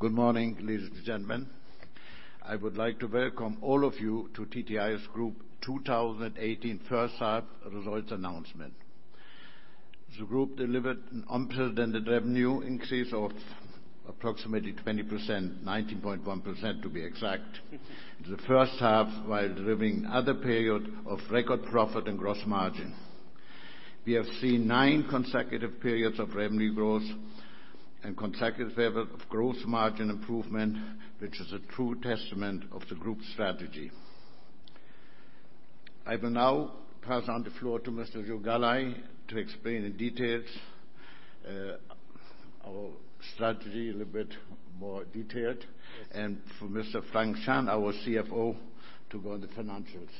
Good morning, ladies and gentlemen. I would like to welcome all of you to TTI's Group 2018 first half results announcement. The group delivered an unprecedented revenue increase of approximately 20%, 19.1% to be exact, in the first half, while driving other period of record profit and gross margin. We have seen nine consecutive periods of revenue growth and consecutive period of gross margin improvement, which is a true testament of the group's strategy. I will now pass on the floor to Mr. Joe Galli to explain in details our strategy a little bit more detailed. Yes. For Mr. Frank Chan, our CFO, to go on the financials.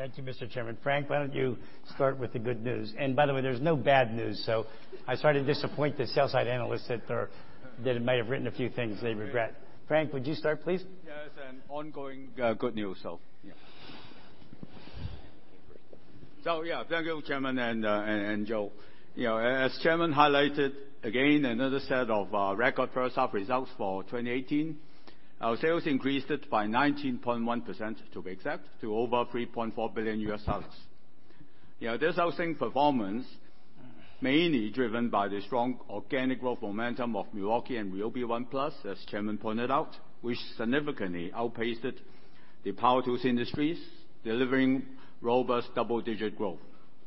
Thank you, Mr. Chairman. Frank, why don't you start with the good news? By the way, there's no bad news, I start to disappoint the sell-side analysts that may have written a few things they regret. Frank, would you start, please? Yes, ongoing good news. Thank you, Chairman and Joe. As Chairman highlighted, again, another set of record first half results for 2018. Our sales increased by 19.1%, to be exact, to over $3.4 billion. This outsized performance mainly driven by the strong organic growth momentum of Milwaukee and RYOBI ONE+, as Chairman pointed out, which significantly outpaced the power tools industries, delivering robust double-digit growth,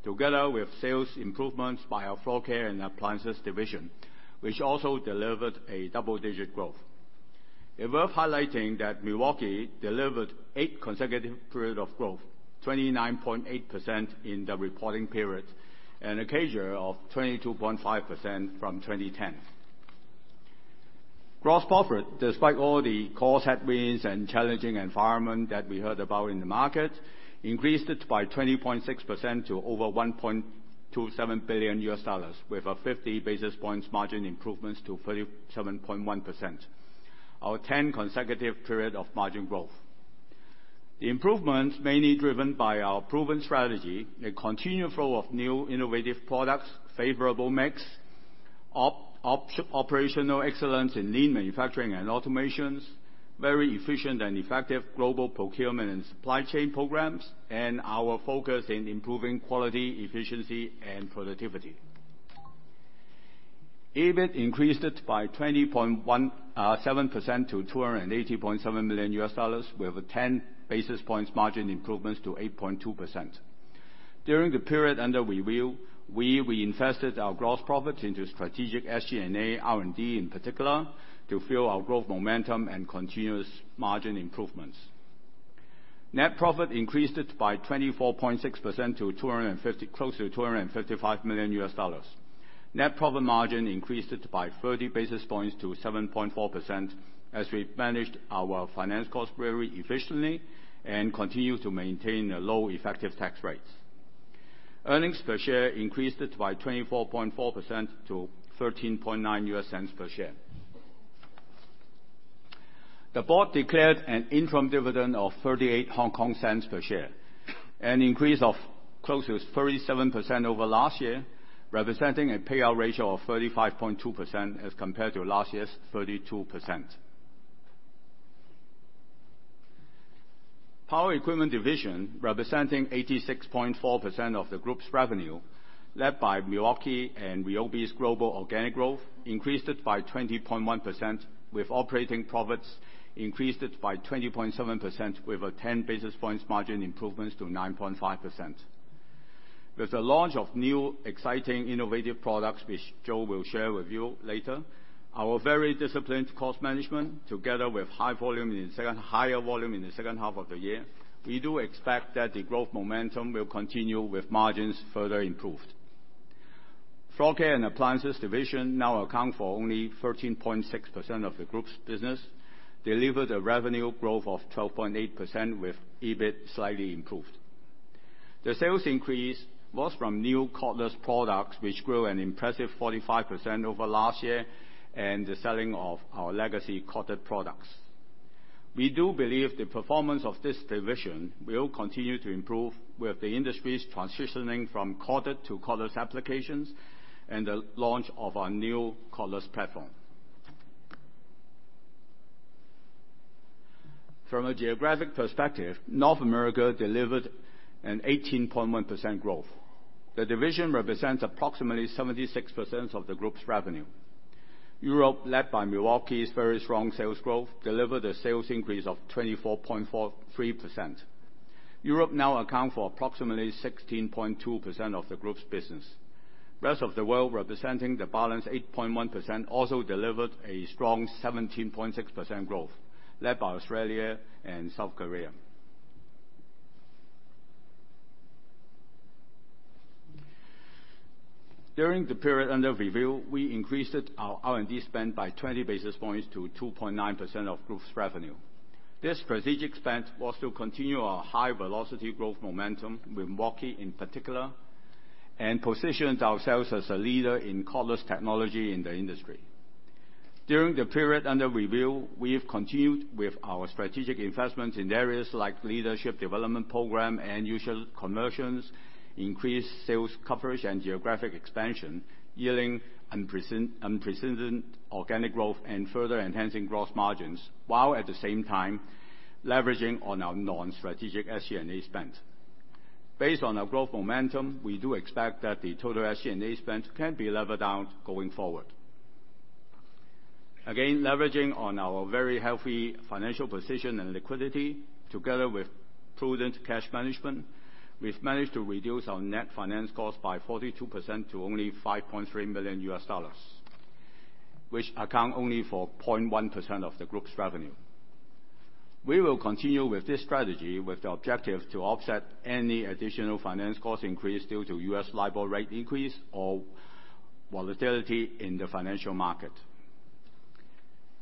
together with sales improvements by our Floor Care and Appliances division, which also delivered a double-digit growth. It's worth highlighting that Milwaukee delivered eight consecutive period of growth, 29.8% in the reporting period, and a CAGR of 22.5% from 2010. Gross profit, despite all the cost headwinds and challenging environment that we heard about in the market, increased it by 20.6% to over $1.27 billion, with a 50 basis points margin improvements to 37.1%. Our 10 consecutive period of margin growth. The improvements mainly driven by our proven strategy, a continual flow of new innovative products, favorable mix, operational excellence in lean manufacturing and automations, very efficient and effective global procurement and supply chain programs, and our focus in improving quality, efficiency, and productivity. EBIT increased it by 20.7% to $280.7 million, with a 10 basis points margin improvements to 8.2%. During the period under review, we reinvested our gross profits into strategic SG&A, R&D in particular, to fuel our growth momentum and continuous margin improvements. Net profit increased it by 24.6% to close to $255 million. Net profit margin increased it by 30 basis points to 7.4%, as we managed our finance costs very efficiently and continued to maintain low effective tax rates. Earnings per share increased it by 24.4% to $0.139 per share. The board declared an interim dividend of 0.38 per share, an increase of close to 37% over last year, representing a payout ratio of 35.2% as compared to last year's 32%. Power Equipment division, representing 86.4% of the group's revenue, led by Milwaukee and RYOBI's global organic growth, increased it by 20.1%, with operating profits increased by 20.7%, with a 10 basis points margin improvements to 9.5%. With the launch of new exciting innovative products, which Joe will share with you later, our very disciplined cost management, together with higher volume in the second half of the year, we do expect that the growth momentum will continue with margins further improved. Floor Care and Appliances division now account for only 13.6% of the group's business, delivered a revenue growth of 12.8% with EBIT slightly improved. The sales increase was from new cordless products, which grew an impressive 45% over last year, and the selling of our legacy corded products. We do believe the performance of this division will continue to improve with the industries transitioning from corded to cordless applications and the launch of our new cordless platform. From a geographic perspective, North America delivered an 18.1% growth. The division represents approximately 76% of the group's revenue. Europe, led by Milwaukee's very strong sales growth, delivered a sales increase of 24.43%. Europe now account for approximately 16.2% of the group's business. Rest of the world, representing the balance 8.1% also delivered a strong 17.6% growth, led by Australia and South Korea. During the period under review, we increased our R&D spend by 20 basis points to 2.9% of group's revenue. This strategic spend was to continue our high velocity growth momentum with Milwaukee, in particular, and positioned ourselves as a leader in cordless technology in the industry. During the period under review, we have continued with our strategic investments in areas like leadership development program and end-user conversions, increased sales coverage and geographic expansion Yielding unprecedented organic growth and further enhancing gross margins, while at the same time leveraging on our non-strategic SG&A spend. Based on our growth momentum, we do expect that the total SG&A spend can be lever-down going forward. Again, leveraging on our very healthy financial position and liquidity, together with prudent cash management, we've managed to reduce our net finance cost by 42% to only $5.3 million, which account only for 0.1% of the group's revenue. We will continue with this strategy with the objective to offset any additional finance cost increase due to US LIBOR rate increase or volatility in the financial market.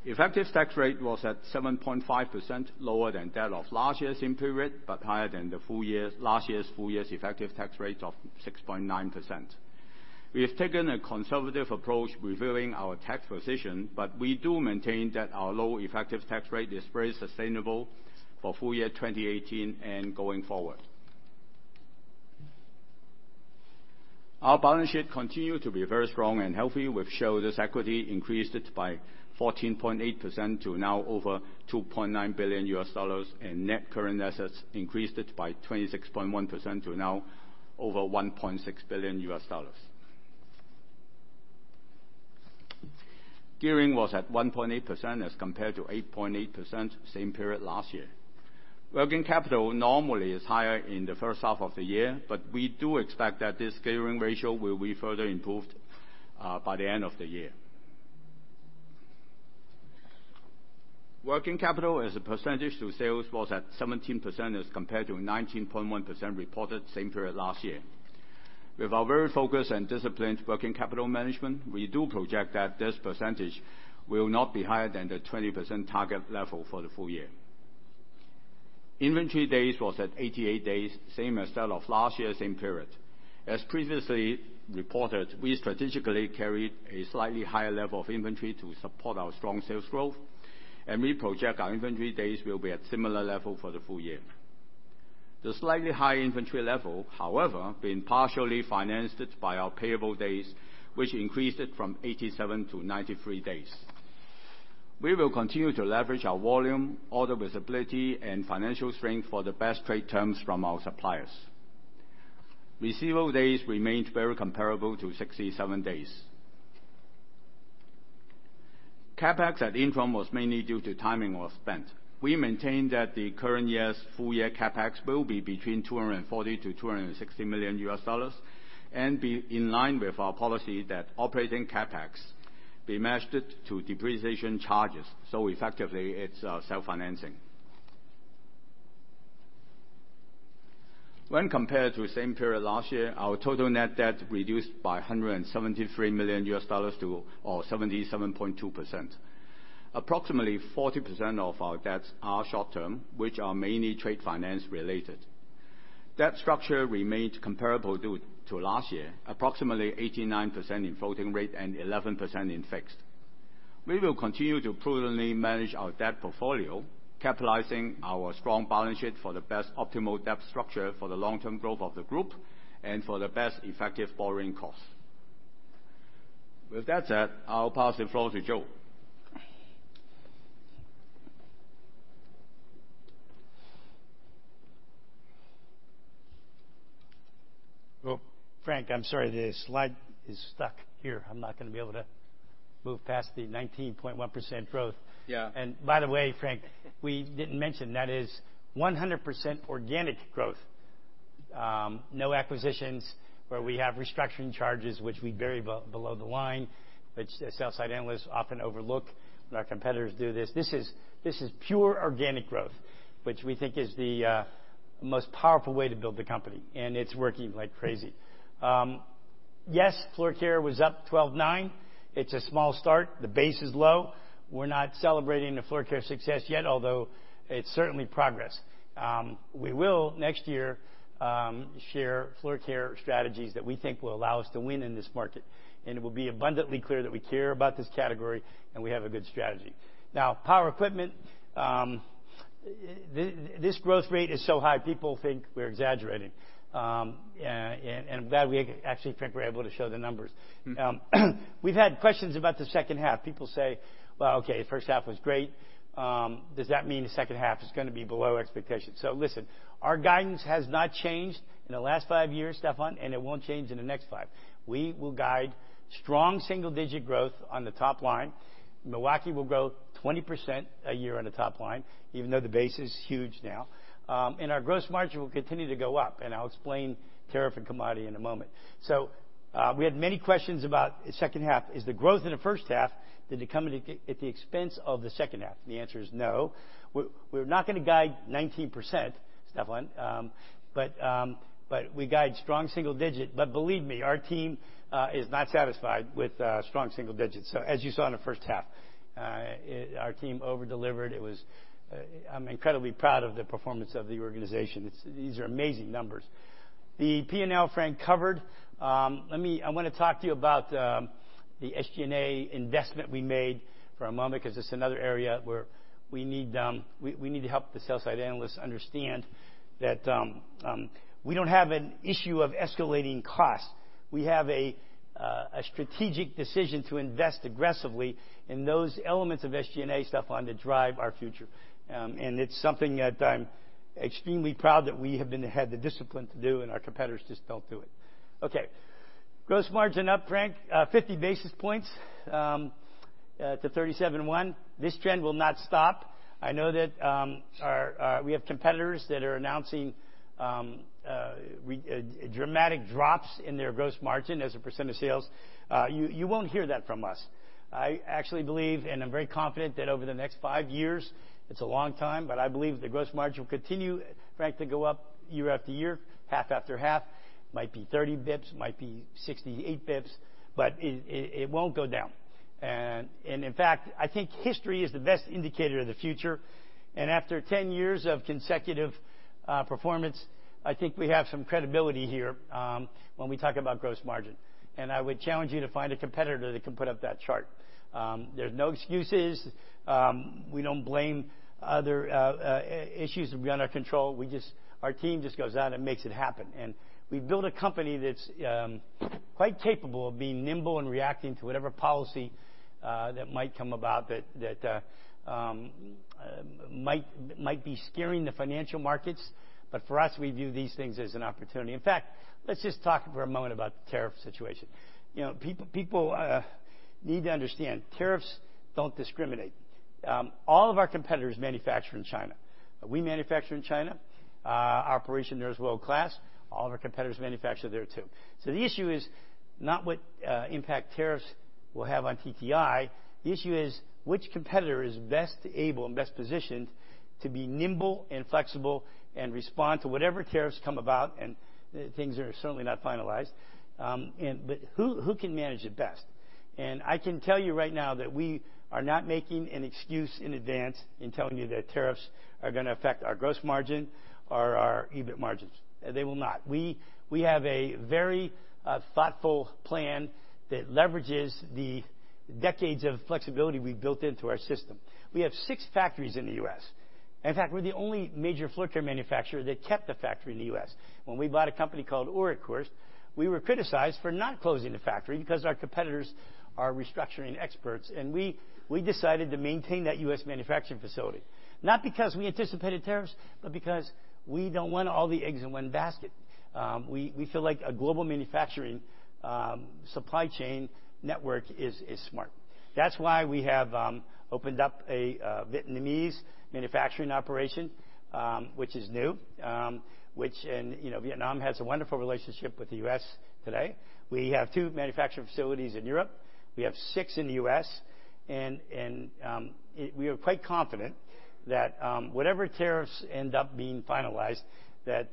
Effective tax rate was at 7.5%, lower than that of last year's same period, but higher than last year's full year effective tax rate of 6.9%. We have taken a conservative approach reviewing our tax position, but we do maintain that our low effective tax rate is very sustainable for full year 2018 and going forward. Our balance sheet continued to be very strong and healthy with shareholder's equity increased by 14.8% to now over $2.9 billion USD, and net current assets increased by 26.1% to now over $1.6 billion USD. Gearing was at 1.8% as compared to 8.8% same period last year. Working capital normally is higher in the first half of the year, but we do expect that this gearing ratio will be further improved by the end of the year. Working capital as a percentage to sales was at 17% as compared to 19.1% reported same period last year. With our very focused and disciplined working capital management, we do project that this percentage will not be higher than the 20% target level for the full year. Inventory days was at 88 days, same as that of last year, same period. As previously reported, we strategically carried a slightly higher level of inventory to support our strong sales growth, and we project our inventory days will be at similar level for the full year. The slightly higher inventory level, however, being partially financed by our payable days, which increased from 87 to 93 days. We will continue to leverage our volume, order visibility, and financial strength for the best trade terms from our suppliers. Receivable days remained very comparable to 67 days. CapEx at interim was mainly due to timing of spend. We maintain that the current year's full year CapEx will be between $240 million-$260 million USD, and be in line with our policy that operating CapEx be matched to depreciation charges, so effectively it's self-financing. When compared to the same period last year, our total net debt reduced by $173 million USD or 77.2%. Approximately 40% of our debts are short-term, which are mainly trade finance related. Debt structure remained comparable to last year, approximately 89% in floating rate and 11% in fixed. We will continue to prudently manage our debt portfolio, capitalizing our strong balance sheet for the best optimal debt structure for the long-term growth of the group and for the best effective borrowing cost. With that said, I'll pass the floor to Joe. Frank, I'm sorry. The slide is stuck here. I'm not going to be able to move past the 19.1% growth. Yeah. By the way, Frank, we didn't mention that is 100% organic growth. No acquisitions where we have restructuring charges, which we bury below the line, which sell-side analysts often overlook when our competitors do this. This is pure organic growth, which we think is the most powerful way to build the company, and it's working like crazy. Yes, Floor Care was up 12/9. It's a small start. The base is low. We're not celebrating the Floor Care success yet, although it's certainly progress. We will, next year, share Floor Care strategies that we think will allow us to win in this market. It will be abundantly clear that we care about this category, and we have a good strategy. Power Equipment. This growth rate is so high, people think we're exaggerating. I'm glad we actually, Frank, were able to show the numbers. We've had questions about the second half. People say, "Okay, first half was great. Does that mean the second half is going to be below expectations?" Listen, our guidance has not changed in the last five years, Stephan, and it won't change in the next five. We will guide strong single-digit growth on the top line. Milwaukee will grow 20% a year on the top line, even though the base is huge now. Our gross margin will continue to go up, and I'll explain tariff and commodity in a moment. We had many questions about second half. Is the growth in the first half, did it come at the expense of the second half? The answer is no. We're not going to guide 19%, Stephan, but we guide strong single digit. Believe me, our team is not satisfied with strong single digits. As you saw in the first half, our team over-delivered. I'm incredibly proud of the performance of the organization. These are amazing numbers. The P&L, Frank covered. I want to talk to you about the SG&A investment we made for a moment, because it's another area where we need to help the sell-side analysts understand that we don't have an issue of escalating costs. We have a strategic decision to invest aggressively in those elements of SG&A, Stephan, that drive our future. It's something that I'm extremely proud that we have had the discipline to do, and our competitors just don't do it. Gross margin up, Frank, 50 basis points to 37.1%. This trend will not stop. I know that we have competitors that are announcing dramatic drops in their gross margin as a percent of sales. You won't hear that from us. I actually believe, and I'm very confident, that over the next five years, it's a long time, but I believe the gross margin will continue, Frank, to go up year after year, half after half. Might be 30 basis points, might be 68 basis points, but it won't go down. In fact, I think history is the best indicator of the future. After 10 years of consecutive performance, I think we have some credibility here when we talk about gross margin. I would challenge you to find a competitor that can put up that chart. There's no excuses. We don't blame other issues beyond our control. Our team just goes out and makes it happen. We build a company that's quite capable of being nimble and reacting to whatever policy that might come about that might be scaring the financial markets. For us, we view these things as an opportunity. In fact, let's just talk for a moment about the tariff situation. People need to understand, tariffs don't discriminate. All of our competitors manufacture in China. We manufacture in China. Our operation there is world-class. All of our competitors manufacture there, too. The issue is not what impact tariffs will have on TTI. The issue is which competitor is best able and best positioned to be nimble and flexible and respond to whatever tariffs come about, and things are certainly not finalized. Who can manage it best? I can tell you right now that we are not making an excuse in advance in telling you that tariffs are going to affect our gross margin or our EBIT margins. They will not. We have a very thoughtful plan that leverages the decades of flexibility we've built into our system. We have six factories in the U.S. In fact, we're the only major floor care manufacturer that kept a factory in the U.S. When we bought a company called Oreck, we were criticized for not closing the factory because our competitors are restructuring experts. We decided to maintain that U.S. manufacturing facility, not because we anticipated tariffs, but because we don't want all the eggs in one basket. We feel like a global manufacturing supply chain network is smart. That's why we have opened up a Vietnamese manufacturing operation, which is new, which Vietnam has a wonderful relationship with the U.S. today. We have two manufacturing facilities in Europe. We have six in the U.S. We are quite confident that whatever tariffs end up being finalized, that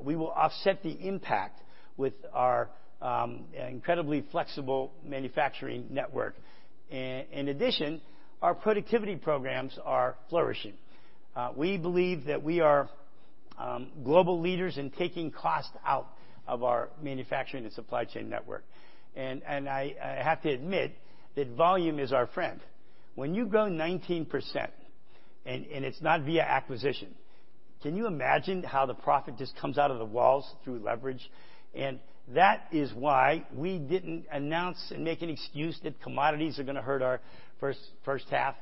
we will offset the impact with our incredibly flexible manufacturing network. In addition, our productivity programs are flourishing. We believe that we are global leaders in taking cost out of our manufacturing and supply chain network. I have to admit that volume is our friend. When you grow 19%, it's not via acquisition, can you imagine how the profit just comes out of the walls through leverage? That is why we didn't announce and make an excuse that commodities are going to hurt our first half.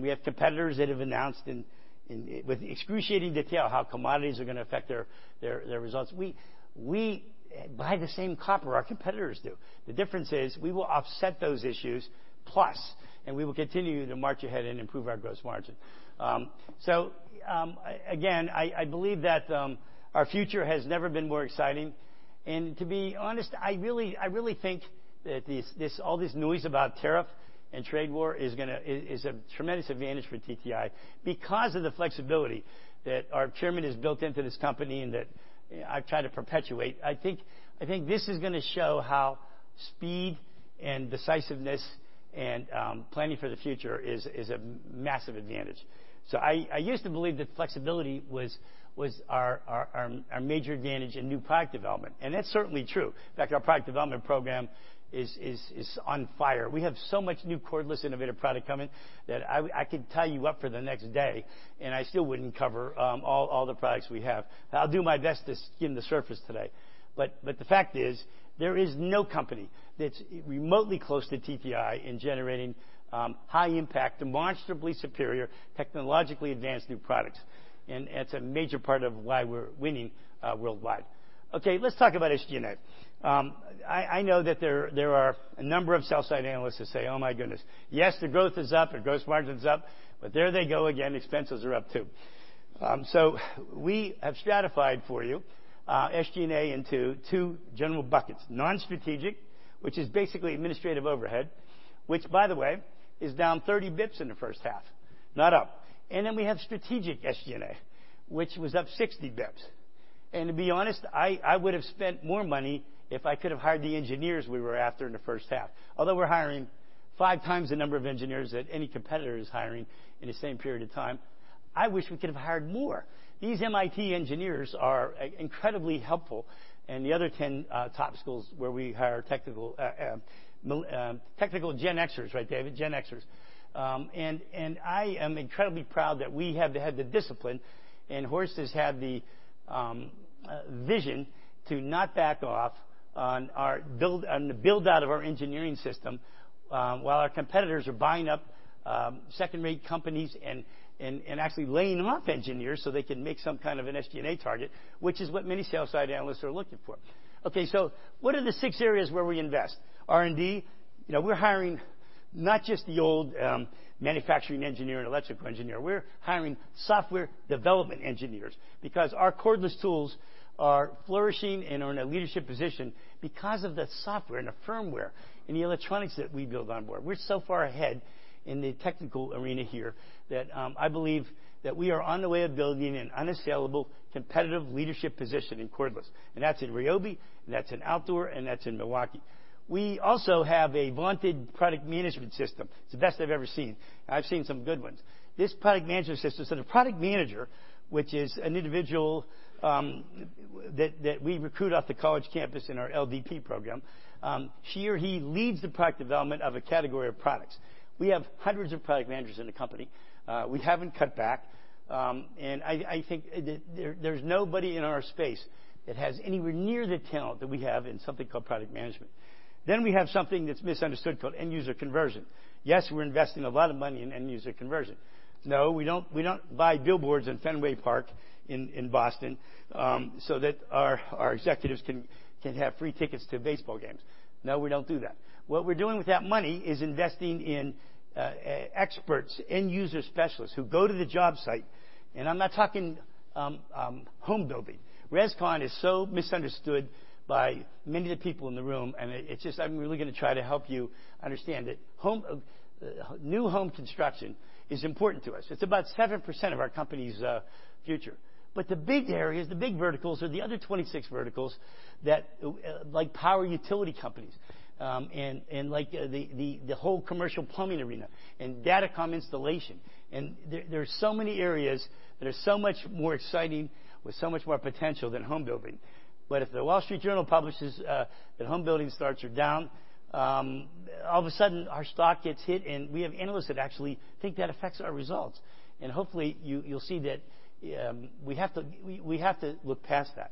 We have competitors that have announced with excruciating detail how commodities are going to affect their results. We buy the same copper our competitors do. The difference is we will offset those issues, plus, we will continue to march ahead and improve our gross margin. Again, I believe that our future has never been more exciting. To be honest, I really think that all this noise about tariff and trade war is a tremendous advantage for TTI because of the flexibility that our chairman has built into this company and that I've tried to perpetuate. I think this is going to show how speed and decisiveness and planning for the future is a massive advantage. I used to believe that flexibility was our major advantage in new product development, and that's certainly true. In fact, our product development program is on fire. We have so much new cordless innovative product coming that I could tie you up for the next day, and I still wouldn't cover all the products we have. I'll do my best to skim the surface today. The fact is, there is no company that's remotely close to TTI in generating high-impact, demonstrably superior, technologically advanced new products. That's a major part of why we're winning worldwide. Okay, let's talk about SG&A. I know that there are a number of sell-side analysts that say, "Oh, my goodness. Yes, the growth is up, the gross margin's up, there they go again, expenses are up, too." We have stratified for you SG&A into two general buckets: non-strategic, which is basically administrative overhead, which, by the way, is down 30 basis points in the first half, not up. Then we have strategic SG&A, which was up 60 basis points. To be honest, I would have spent more money if I could have hired the engineers we were after in the first half. Although we're hiring five times the number of engineers that any competitor is hiring in the same period of time. I wish we could have hired more. These MIT engineers are incredibly helpful, and the other 10 top schools where we hire technical Gen Xers, right, David? Gen Xers. I am incredibly proud that we have had the discipline, and Horst has had the vision to not back off on the build-out of our engineering system while our competitors are buying up second-rate companies and actually laying off engineers so they can make some kind of an SG&A target, which is what many sell-side analysts are looking for. What are the six areas where we invest? R&D. We're hiring not just the old manufacturing engineer and electrical engineer. We're hiring software development engineers because our cordless tools are flourishing and are in a leadership position because of the software and the firmware and the electronics that we build onboard. We're so far ahead in the technical arena here that I believe that we are on the way of building an unassailable, competitive leadership position in cordless, and that's in RYOBI, and that's in outdoor, and that's in Milwaukee. We also have a vaunted product management system. It's the best I've ever seen. I've seen some good ones. This product management system, so the product manager, which is an individual that we recruit off the college campus in our LDP program, she or he leads the product development of a category of products. We have hundreds of product managers in the company. We haven't cut back. I think that there's nobody in our space that has anywhere near the talent that we have in something called product management. We have something that's misunderstood called end-user conversion. We're investing a lot of money in end-user conversion. We don't buy billboards in Fenway Park in Boston so that our executives can have free tickets to baseball games. We don't do that. What we're doing with that money is investing in experts, end-user specialists who go to the job site, and I'm not talking home building. ResCon is so misunderstood by many of the people in the room, and I'm really going to try to help you understand it. New home construction is important to us. It's about 7% of our company's future. The big areas, the big verticals are the other 26 verticals, like power utility companies, and the whole commercial plumbing arena, and datacom installation. There are so many areas that are so much more exciting with so much more potential than home building. If The Wall Street Journal publishes that home building starts are down, all of a sudden our stock gets hit and we have analysts that actually think that affects our results. Hopefully, you'll see that we have to look past that.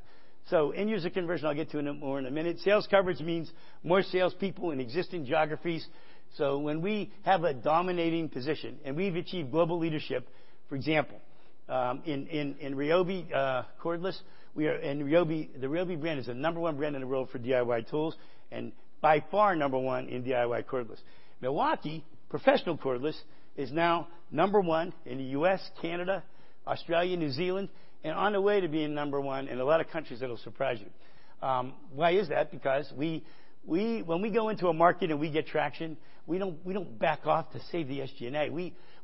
End-user conversion, I'll get to more in a minute. Sales coverage means more salespeople in existing geographies. When we have a dominating position and we've achieved global leadership, for example, in RYOBI cordless, and the RYOBI brand is the number one brand in the world for DIY tools and by far number one in DIY cordless. Milwaukee professional cordless is now number one in the U.S., Canada, Australia, New Zealand, and on the way to being number one in a lot of countries that'll surprise you. Why is that? Because when we go into a market and we get traction, we don't back off to save the SG&A.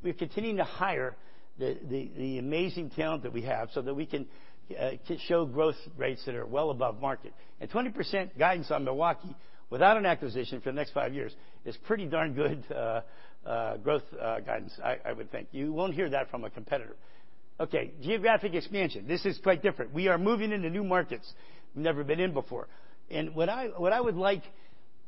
We're continuing to hire the amazing talent that we have so that we can show growth rates that are well above market. 20% guidance on Milwaukee without an acquisition for the next five years is pretty darn good growth guidance, I would think. You won't hear that from a competitor. Geographic expansion. This is quite different. We are moving into new markets we've never been in before. What I would like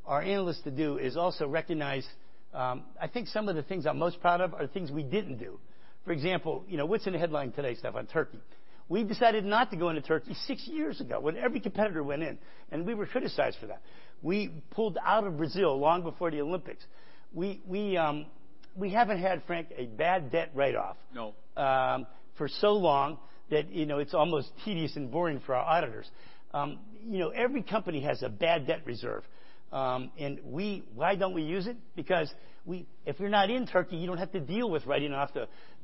our analysts to do is also recognize, I think some of the things I'm most proud of are the things we didn't do. For example, what's in the headline today, Stephan? Turkey. We decided not to go into Turkey six years ago when every competitor went in, and we were criticized for that. We pulled out of Brazil long before the Olympics. We haven't had, Frank, a bad debt write-off- No for so long that it's almost tedious and boring for our auditors. Every company has a bad debt reserve. Why don't we use it? If you're not in Turkey, you don't have to deal with writing off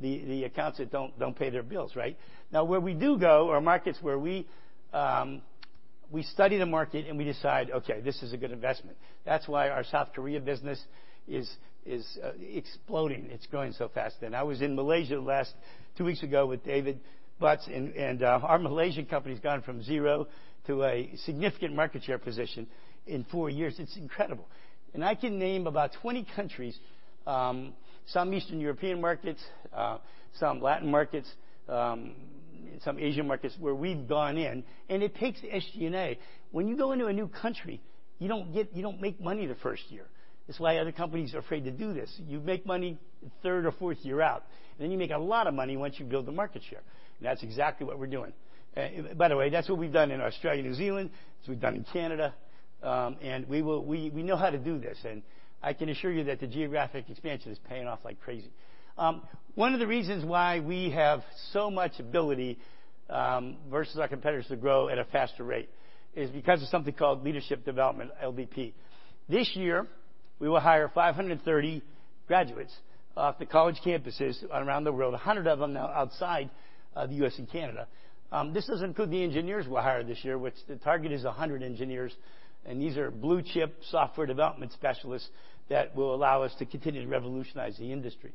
the accounts that don't pay their bills, right? Now, where we do go are markets where we study the market and we decide, okay, this is a good investment. That's why our South Korea business is exploding. It's growing so fast. I was in Malaysia two weeks ago with David Butts, and our Malaysian company's gone from zero to a significant market share position in four years. It's incredible. I can name about 20 countries, some Eastern European markets, some Latin markets, some Asian markets, where we've gone in, and it takes SG&A. When you go into a new country, you don't make money the first year. It's why other companies are afraid to do this. You make money third or fourth year out, and then you make a lot of money once you build the market share. That's exactly what we're doing. By the way, that's what we've done in Australia, New Zealand. It's what we've done in Canada. We know how to do this, and I can assure you that the geographic expansion is paying off like crazy. One of the reasons why we have so much ability versus our competitors to grow at a faster rate is because of something called Leadership Development, LDP. This year, we will hire 530 graduates off the college campuses around the world, 100 of them now outside the U.S. and Canada. This doesn't include the engineers we'll hire this year, which the target is 100 engineers, and these are blue-chip software development specialists that will allow us to continue to revolutionize the industry.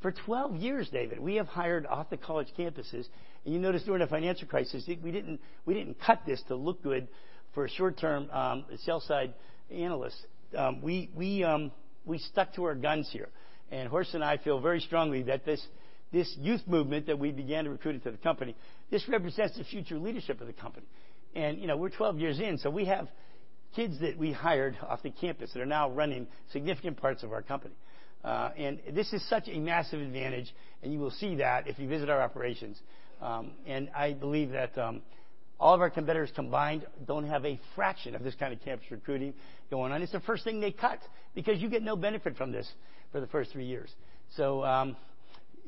For 12 years, David, we have hired off the college campuses, and you notice during the financial crisis, we didn't cut this to look good for a short-term sell-side analyst. We stuck to our guns here, and Horst and I feel very strongly that this youth movement that we began to recruit into the company, this represents the future leadership of the company. We're 12 years in, so we have kids that we hired off the campus that are now running significant parts of our company. This is such a massive advantage, and you will see that if you visit our operations. I believe that all of our competitors combined don't have a fraction of this kind of campus recruiting going on. It's the first thing they cut because you get no benefit from this for the first three years.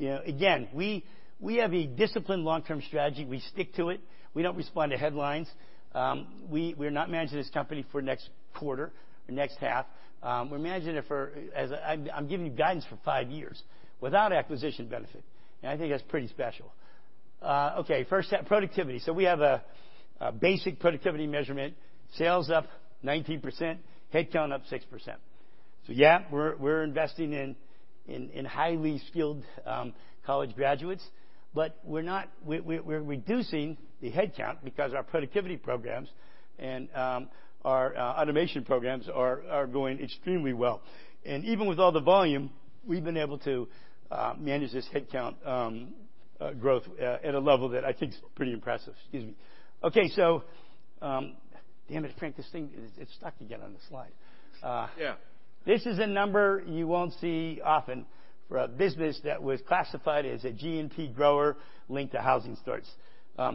Again, we have a disciplined long-term strategy. We stick to it. We don't respond to headlines. We're not managing this company for next quarter or next half. We're managing it. I'm giving you guidance for five years without acquisition benefit, and I think that's pretty special. Okay, first half productivity. We have a basic productivity measurement, sales up 19%, headcount up 6%. Yeah, we're investing in highly skilled college graduates, but we're reducing the headcount because our productivity programs and our automation programs are going extremely well. Even with all the volume, we've been able to manage this headcount growth at a level that I think is pretty impressive. Excuse me. Okay. Damn it, Frank, this thing is stuck again on the slide. Yeah. This is a number you won't see often for a business that was classified as a GNP grower linked to housing starts.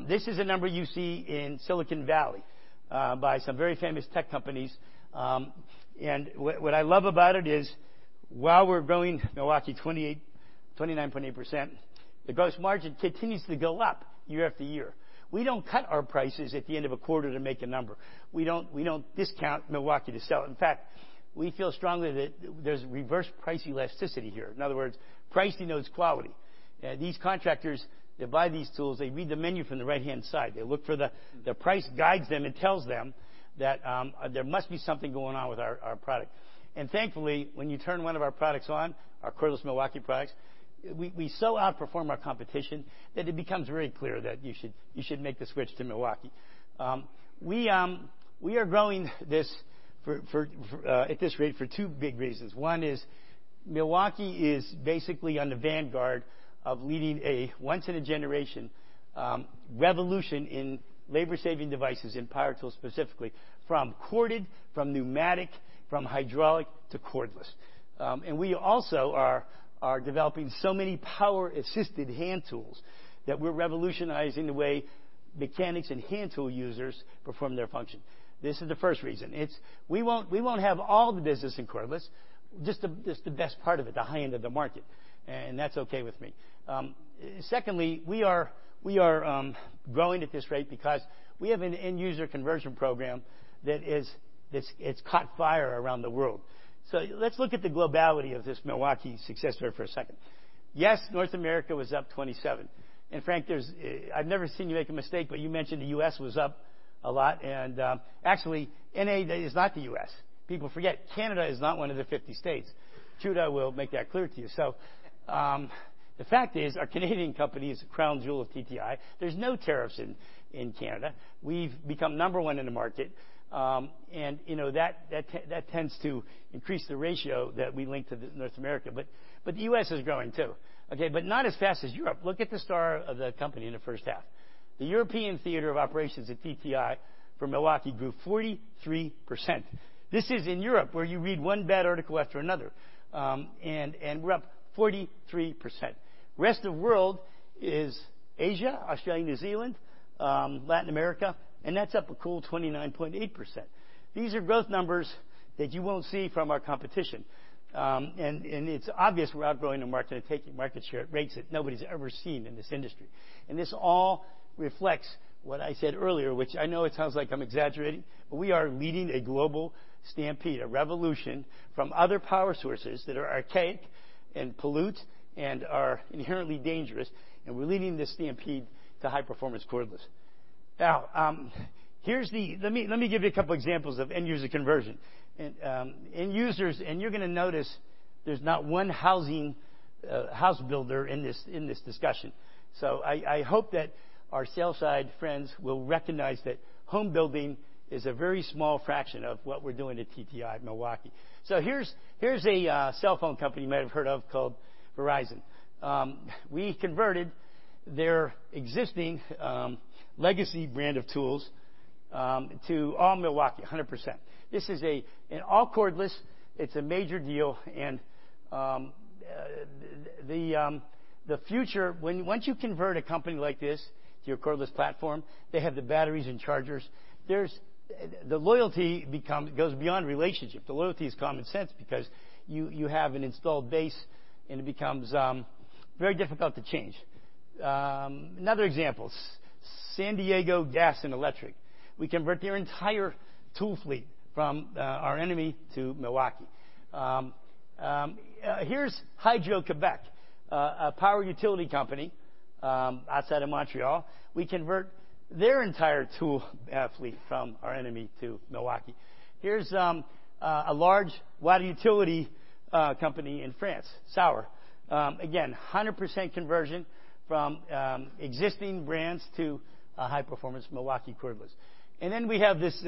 This is a number you see in Silicon Valley by some very famous tech companies. What I love about it is while we're growing Milwaukee 29.8%, the gross margin continues to go up year after year. We don't cut our prices at the end of a quarter to make a number. We don't discount Milwaukee to sell. In fact, we feel strongly that there's reverse price elasticity here. In other words, pricing notes quality. These contractors, they buy these tools, they read the menu from the right-hand side. They look for the price guides them and tells them that there must be something going on with our product. Thankfully, when you turn one of our products on, our cordless Milwaukee products, we so outperform our competition that it becomes very clear that you should make the switch to Milwaukee. We are growing at this rate for two big reasons. One is Milwaukee is basically on the vanguard of leading a once-in-a-generation revolution in labor-saving devices, in power tools specifically, from corded, from pneumatic, from hydraulic to cordless. We also are developing so many power-assisted hand tools that we're revolutionizing the way mechanics and hand tool users perform their function. This is the first reason. We won't have all the business in cordless, just the best part of it, the high end of the market, and that's okay with me. Secondly, we are growing at this rate because we have an end-user conversion program that it's caught fire around the world. Let's look at the globality of this Milwaukee success story for a second. Yes, North America was up 27. Frank, I've never seen you make a mistake, but you mentioned the U.S. was up a lot. Actually, NA is not the U.S. People forget Canada is not one of the 50 states. Trudeau will make that clear to you. The fact is, our Canadian company is the crown jewel of TTI. There's no tariffs in Canada. We've become number one in the market. That tends to increase the ratio that we link to North America. The U.S. is growing too, okay, but not as fast as Europe. Look at the star of the company in the first half. The European theater of operations at TTI for Milwaukee grew 43%. This is in Europe, where you read one bad article after another. We're up 43%. Rest of world is Asia, Australia, New Zealand, Latin America. That's up a cool 29.8%. These are growth numbers that you won't see from our competition. It's obvious we're outgrowing the market and taking market share at rates that nobody's ever seen in this industry. This all reflects what I said earlier, which I know it sounds like I'm exaggerating. We are leading a global stampede, a revolution from other power sources that are archaic and pollute and are inherently dangerous. We're leading this stampede to high-performance cordless. Let me give you a couple of examples of end-user conversion. End users, you're going to notice there's not one house builder in this discussion. I hope that our sell-side friends will recognize that home building is a very small fraction of what we're doing at TTI Milwaukee. Here's a cell phone company you might have heard of called Verizon. We converted their existing legacy brand of tools to all Milwaukee, 100%. This is an all-cordless, it's a major deal. Once you convert a company like this to your cordless platform, they have the batteries and chargers. The loyalty goes beyond relationship. The loyalty is common sense because you have an installed base. It becomes very difficult to change. Another example, San Diego Gas & Electric. We convert their entire tool fleet from our enemy to Milwaukee. Here's Hydro-Québec, a power utility company outside of Montreal. We convert their entire tool fleet from our enemy to Milwaukee. Here's a large water utility company in France, Saur. Again, 100% conversion from existing brands to high-performance Milwaukee cordless. We have this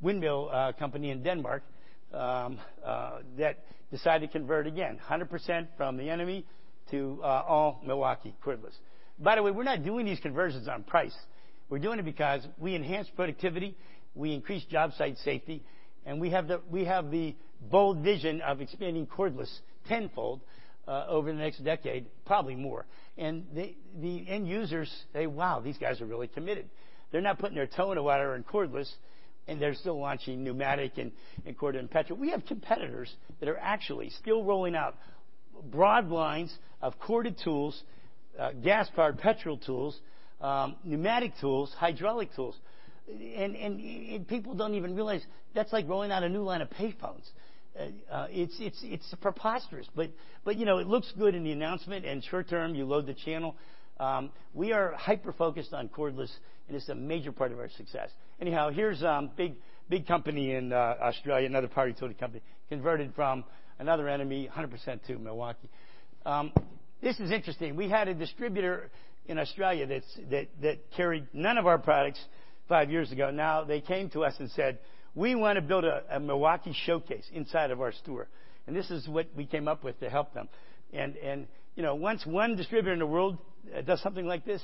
windmill company in Denmark that decided to convert again 100% from the enemy to all Milwaukee cordless. By the way, we're not doing these conversions on price. We're doing it because we enhance productivity, we increase job site safety. We have the bold vision of expanding cordless tenfold over the next decade, probably more. The end users say, "Wow. These guys are really committed." They're not putting their toe in the water in cordless. They're still launching pneumatic and cord and petrol. We have competitors that are actually still rolling out broad lines of corded tools, gas-powered petrol tools, pneumatic tools, hydraulic tools. People don't even realize that's like rolling out a new line of pay phone. It's preposterous. It looks good in the announcement. Short term, you load the channel. We are hyper-focused on cordless. It's a major part of our success. Here's a big company in Australia, another power utility company, converted from another enemy 100% to Milwaukee. This is interesting. We had a distributor in Australia that carried none of our products five years ago. They came to us and said, "We want to build a Milwaukee showcase inside of our store." This is what we came up with to help them. Once one distributor in the world does something like this,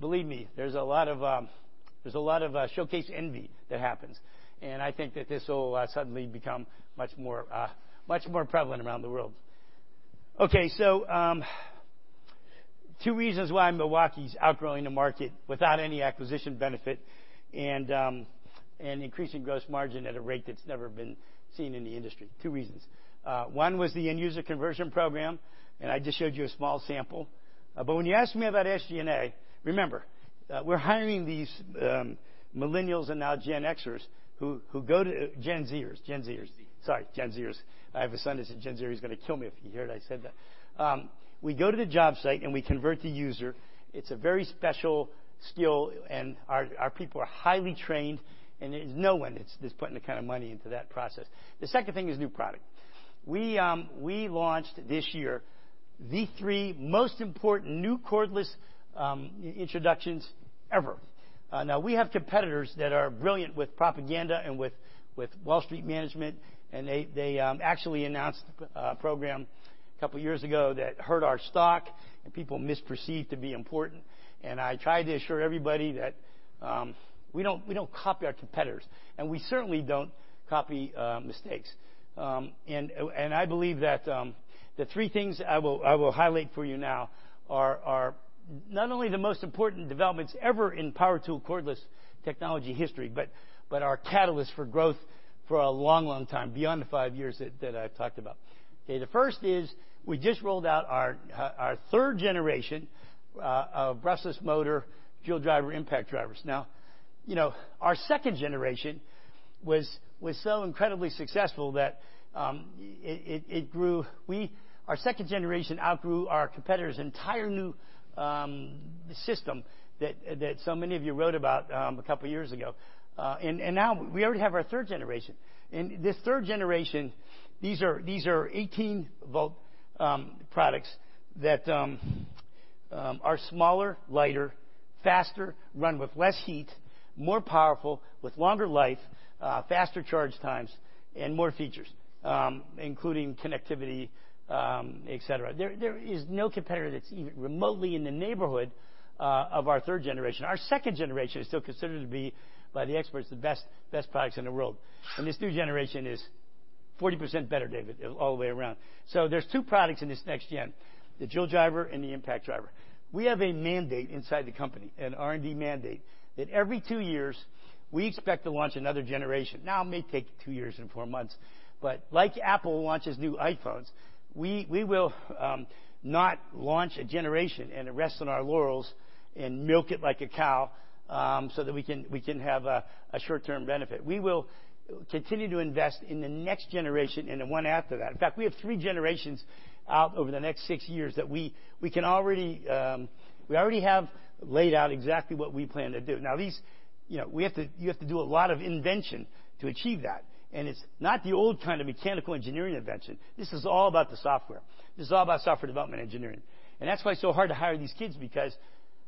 believe me, there's a lot of showcase envy that happens. I think that this will suddenly become much more prevalent around the world. Two reasons why Milwaukee is outgrowing the market without any acquisition benefit and increasing gross margin at a rate that's never been seen in the industry. Two reasons. One was the end-user conversion program, and I just showed you a small sample. When you ask me about SG&A, remember, we're hiring these millennials and now Gen Xers who go to Gen Zers. Gen Z. Sorry, Gen Zers. I have a son who says Gen Zers. He's going to kill me if he heard I said that. We go to the job site, and we convert the user. It's a very special skill, and our people are highly trained, and there's no one that's putting the kind of money into that process. The second thing is new product. We launched this year the three most important new cordless introductions ever. We have competitors that are brilliant with propaganda and with Wall Street management, and they actually announced a program a couple of years ago that hurt our stock and people misperceived to be important. I tried to assure everybody that we don't copy our competitors, and we certainly don't copy mistakes. I believe that the three things I will highlight for you now are not only the most important developments ever in power tool cordless technology history but are catalysts for growth for a long time, beyond the five years that I've talked about. The first is we just rolled out our third generation of brushless motor fuel driver impact drivers. Our second generation was so incredibly successful that our second generation outgrew our competitor's entire new system that so many of you wrote about a couple of years ago. Now we already have our third generation. This third generation, these are 18-volt products that are smaller, lighter, faster, run with less heat, more powerful with longer life, faster charge times, and more features, including connectivity, et cetera. There is no competitor that's even remotely in the neighborhood of our third generation. Our second generation is still considered to be, by the experts, the best products in the world. This new generation is 40% better, David, all the way around. There's two products in this next gen, the drill driver and the impact driver. We have a mandate inside the company, an R&D mandate, that every two years, we expect to launch another generation. It may take two years and four months, but like Apple launches new iPhones, we will not launch a generation and rest on our laurels and milk it like a cow so that we can have a short-term benefit. We will continue to invest in the next generation and the one after that. In fact, we have three generations out over the next six years that we already have laid out exactly what we plan to do. You have to do a lot of invention to achieve that, it's not the old kind of mechanical engineering invention. This is all about the software. This is all about software development engineering, that's why it's so hard to hire these kids because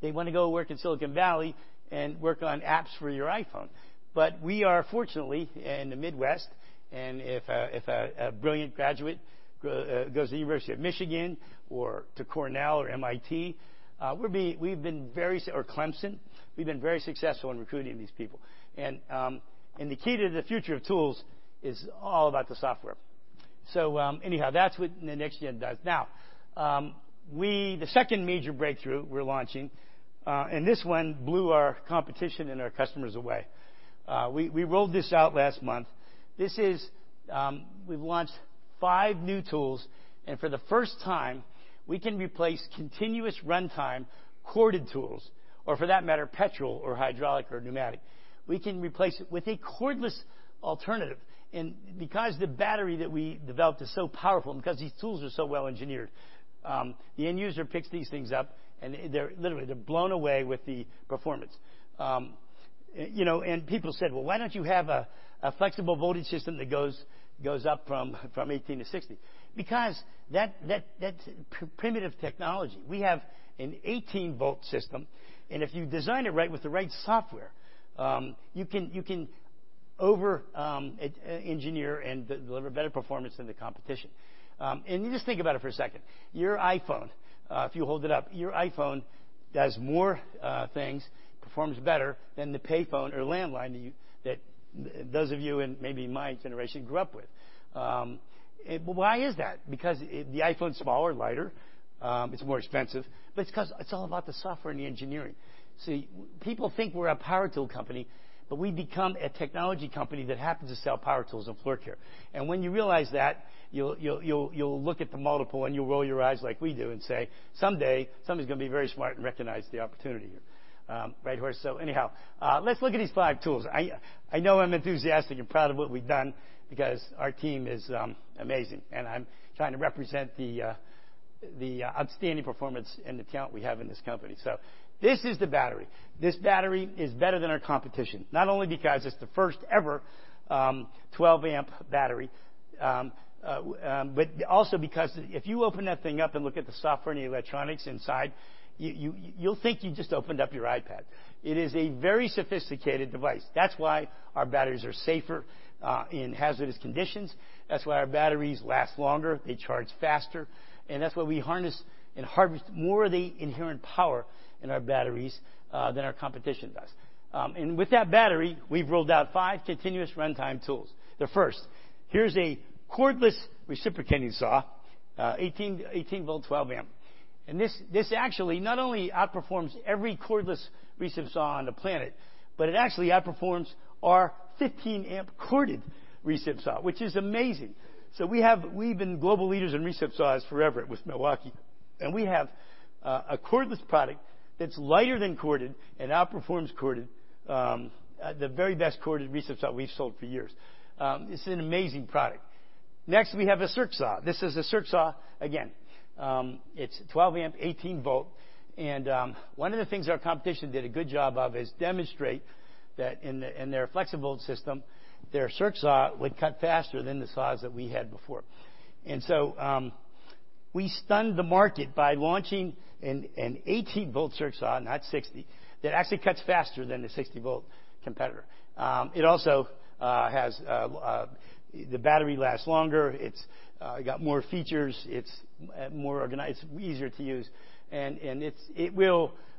they want to go work in Silicon Valley and work on apps for your iPhone. We are fortunately in the Midwest, if a brilliant graduate goes to the University of Michigan or to Cornell or MIT, or Clemson, we've been very successful in recruiting these people. The key to the future of tools is all about the software. That's what the next gen does. The second major breakthrough we're launching and this one blew our competition and our customers away. We rolled this out last month. We've launched five new tools, for the first time, we can replace continuous runtime corded tools or, for that matter, petrol or hydraulic or pneumatic. We can replace it with a cordless alternative. Because the battery that we developed is so powerful and because these tools are so well-engineered, the end user picks these things up, literally, they're blown away with the performance. People said, "Well, why don't you have a flexible voltage system that goes up from 18 to 60?" Because that's primitive technology. We have an 18-volt system, if you design it right with the right software, you can over-engineer and deliver better performance than the competition. Just think about it for a second. Your iPhone, if you hold it up, your iPhone does more things, performs better than the pay phone or landline that those of you in maybe my generation grew up with. Why is that? The iPhone's smaller, lighter, it's more expensive, it's because it's all about the software and the engineering. People think we're a power tool company, we've become a technology company that happens to sell power tools and floor care. When you realize that, you'll look at the multiple, you'll roll your eyes like we do and say, "Someday, somebody's going to be very smart and recognize the opportunity here." Right, Horst? Let's look at these five tools. I know I'm enthusiastic and proud of what we've done because our team is amazing, I'm trying to represent the outstanding performance and the talent we have in this company. This is the battery. This battery is better than our competition, not only because it's the first-ever 12-amp battery, but also because if you open that thing up and look at the software and the electronics inside, you'll think you just opened up your iPad. It is a very sophisticated device. That's why our batteries are safer in hazardous conditions. That's why our batteries last longer, they charge faster, and that's why we harness and harvest more of the inherent power in our batteries than our competition does. With that battery, we've rolled out five continuous runtime tools. The first, here's a cordless reciprocating saw, 18-volt 12-amp. This actually not only outperforms every cordless recipsaw on the planet, but it actually outperforms our 15-amp corded recipsaw, which is amazing. We've been global leaders in recipsaws forever with Milwaukee, and we have a cordless product that's lighter than corded and outperforms the very best corded recipsaw we've sold for years. It's an amazing product. Next, we have a circ saw. This is a circ saw. Again, it's 12-amp 18-volt. One of the things our competition did a good job of is demonstrate that in their flexible system, their circ saw would cut faster than the saws that we had before. We stunned the market by launching an 18-volt circ saw, not 60, that actually cuts faster than the 60-volt competitor. It also has the battery last longer, it's got more features, it's easier to use.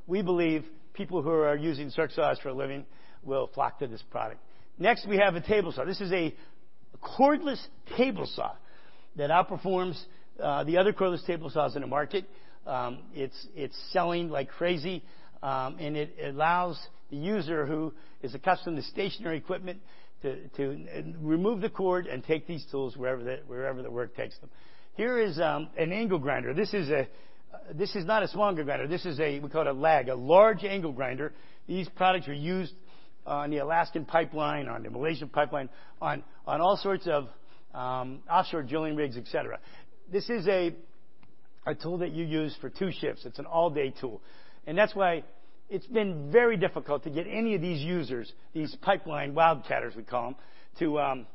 We believe people who are using circ saws for a living will flock to this product. Next, we have a table saw. This is a cordless table saw that outperforms the other cordless table saws in the market. It's selling like crazy, and it allows the user who is accustomed to stationary equipment to remove the cord and take these tools wherever the work takes them. Here is an angle grinder. This is not a SwingGrinder. This is a LAG, a large angle grinder. These products are used on the Alaskan pipeline, on the Malaysian pipeline, on all sorts of offshore drilling rigs, et cetera. This is a tool that you use for two shifts. It's an all-day tool. That's why it's been very difficult to get any of these users, these pipeline wildcatters we call them,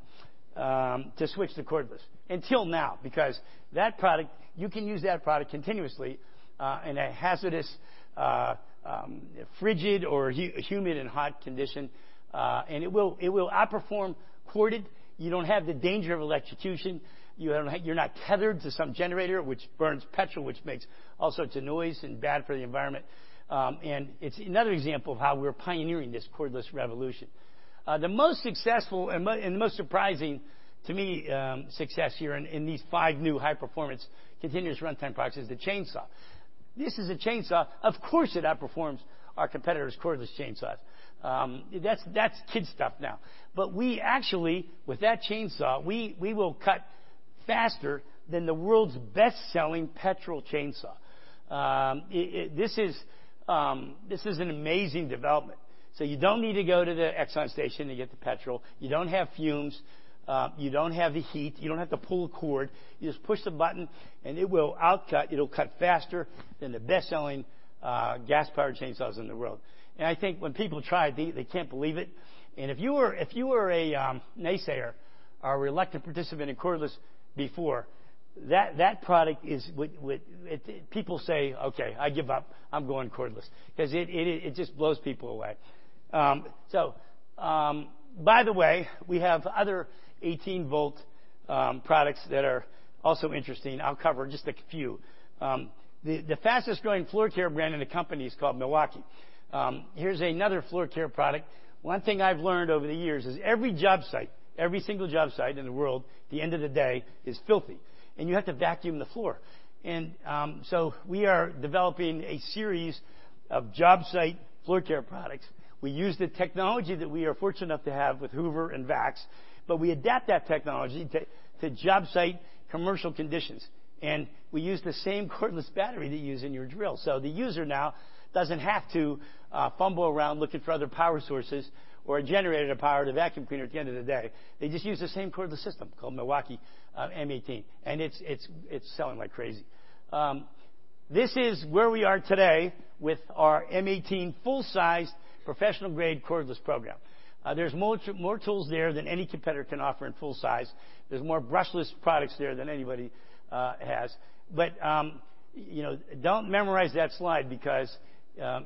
to switch to cordless until now, because you can use that product continuously in a hazardous, frigid, or humid and hot condition, and it will outperform corded. You don't have the danger of electrocution. You're not tethered to some generator which burns petrol, which makes all sorts of noise and bad for the environment. It's another example of how we're pioneering this cordless revolution. The most successful and most surprising to me, success here in these five new high-performance continuous runtime products is the chainsaw. This is a chainsaw. Of course, it outperforms our competitor's cordless chainsaws. That's kid stuff now. We actually, with that chainsaw, we will cut faster than the world's best-selling petrol chainsaw. This is an amazing development. You don't need to go to the Exxon station to get the petrol. You don't have fumes. You don't have the heat. You don't have to pull a cord. You just push the button, and it'll cut faster than the best-selling gas-powered chainsaws in the world. I think when people try these, they can't believe it. If you were a naysayer or a reluctant participant in cordless before, that product is what people say, "Okay, I give up. I'm going cordless." Because it just blows people away. By the way, we have other 18-volt products that are also interesting. I'll cover just a few. The fastest-growing floor care brand in the company is called Milwaukee. Here's another floor care product. One thing I've learned over the years is every job site, every single job site in the world, at the end of the day, is filthy, and you have to vacuum the floor. We are developing a series of job site floor care products. We use the technology that we are fortunate enough to have with Hoover and VAX, we adapt that technology to job site commercial conditions, we use the same cordless battery that you use in your drill. The user now doesn't have to fumble around looking for other power sources or a generator to power the vacuum cleaner at the end of the day. They just use the same cordless system called Milwaukee M18, it's selling like crazy. This is where we are today with our M18 full-sized professional-grade cordless program. There's more tools there than any competitor can offer in full size. There's more brushless products there than anybody has. Don't memorize that slide because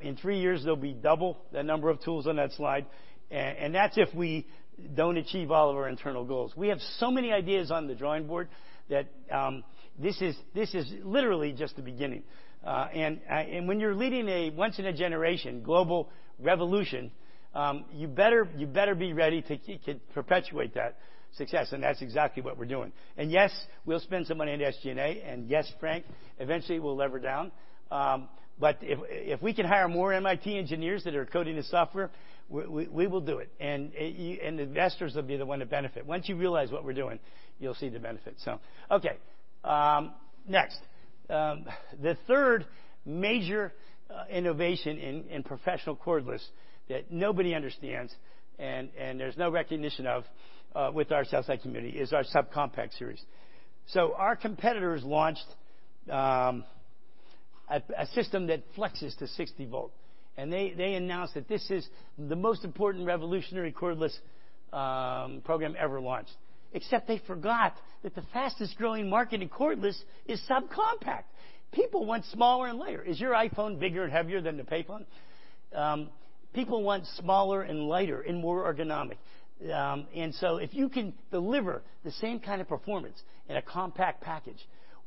in three years, there'll be double the number of tools on that slide, that's if we don't achieve all of our internal goals. We have so many ideas on the drawing board that this is literally just the beginning. When you're leading a once-in-a-generation global revolution, you better be ready to perpetuate that success, that's exactly what we're doing. Yes, we'll spend some money on SG&A, yes, Frank, eventually we'll lever down. If we can hire more MIT engineers that are coding the software, we will do it, investors will be the one to benefit. Once you realize what we're doing, you'll see the benefit. Okay. Next. The third major innovation in professional cordless that nobody understands and there's no recognition of with our sell-side community is our subcompact series. Our competitors launched a system that flexes to 60-volt, they announced that this is the most important revolutionary cordless program ever launched. Except they forgot that the fastest-growing market in cordless is subcompact. People want smaller and lighter. Is your iPhone bigger and heavier than the pay phone? People want smaller and lighter and more ergonomic. If you can deliver the same kind of performance in a compact package,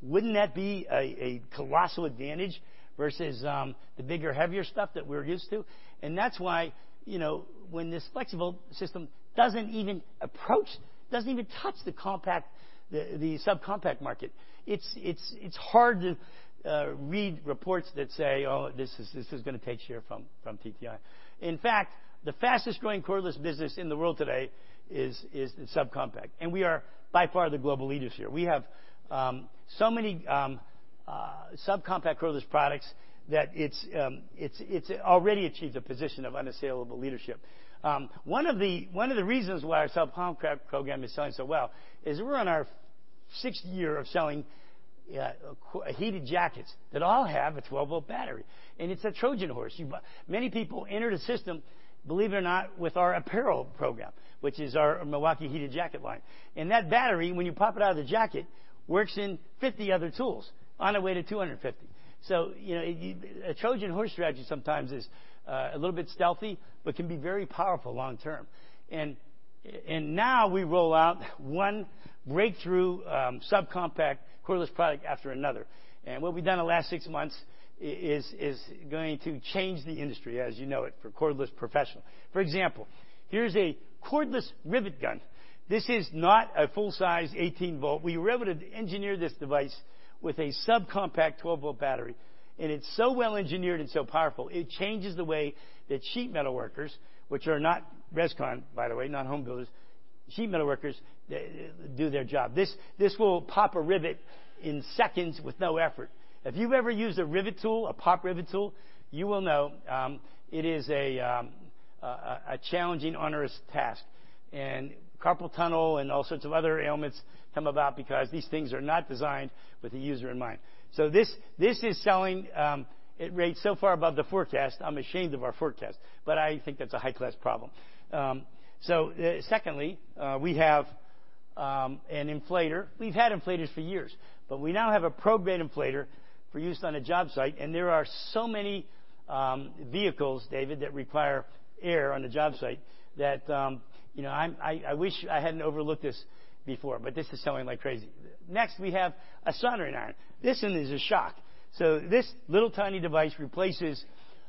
wouldn't that be a colossal advantage versus the bigger, heavier stuff that we're used to? That's why when this flexible system doesn't even approach, doesn't even touch the subcompact market, it's hard to read reports that say, "Oh, this is going to take share from TTI." The fastest-growing cordless business in the world today is the subcompact, we are by far the global leaders here. We have so many subcompact cordless products that it's already achieved a position of unassailable leadership. One of the reasons why our subcompact program is selling so well is we're on our sixth year of selling heated jackets that all have a 12-volt battery. It's a Trojan horse. Many people enter the system, believe it or not, with our apparel program, which is our Milwaukee heated jacket line. That battery, when you pop it out of the jacket, works in 50 other tools on our way to 250. A Trojan horse strategy sometimes is a little bit stealthy but can be very powerful long term. Now we roll out one breakthrough subcompact cordless product after another. What we've done in the last six months is going to change the industry as you know it for cordless professional. For example, here's a cordless rivet gun. This is not a full-size 18-volt. We were able to engineer this device with a subcompact 12-volt battery, and it's so well-engineered and so powerful, it changes the way that sheet metal workers, which are not ResCon, by the way, not home builders. Sheet metal workers do their job. This will pop a rivet in seconds with no effort. If you've ever used a rivet tool, a pop rivet tool, you will know it is a challenging, onerous task. Carpal tunnel and all sorts of other ailments come about because these things are not designed with the user in mind. This is selling at rates so far above the forecast, I'm ashamed of our forecast, but I think that's a high-class problem. Secondly, we have an inflator. We've had inflators for years, but we now have a pro-grade inflator for use on a job site, and there are so many vehicles, David, that require air on a job site that I wish I hadn't overlooked this before, but this is selling like crazy. Next, we have a soldering iron. This one is a shock. This little tiny device replaces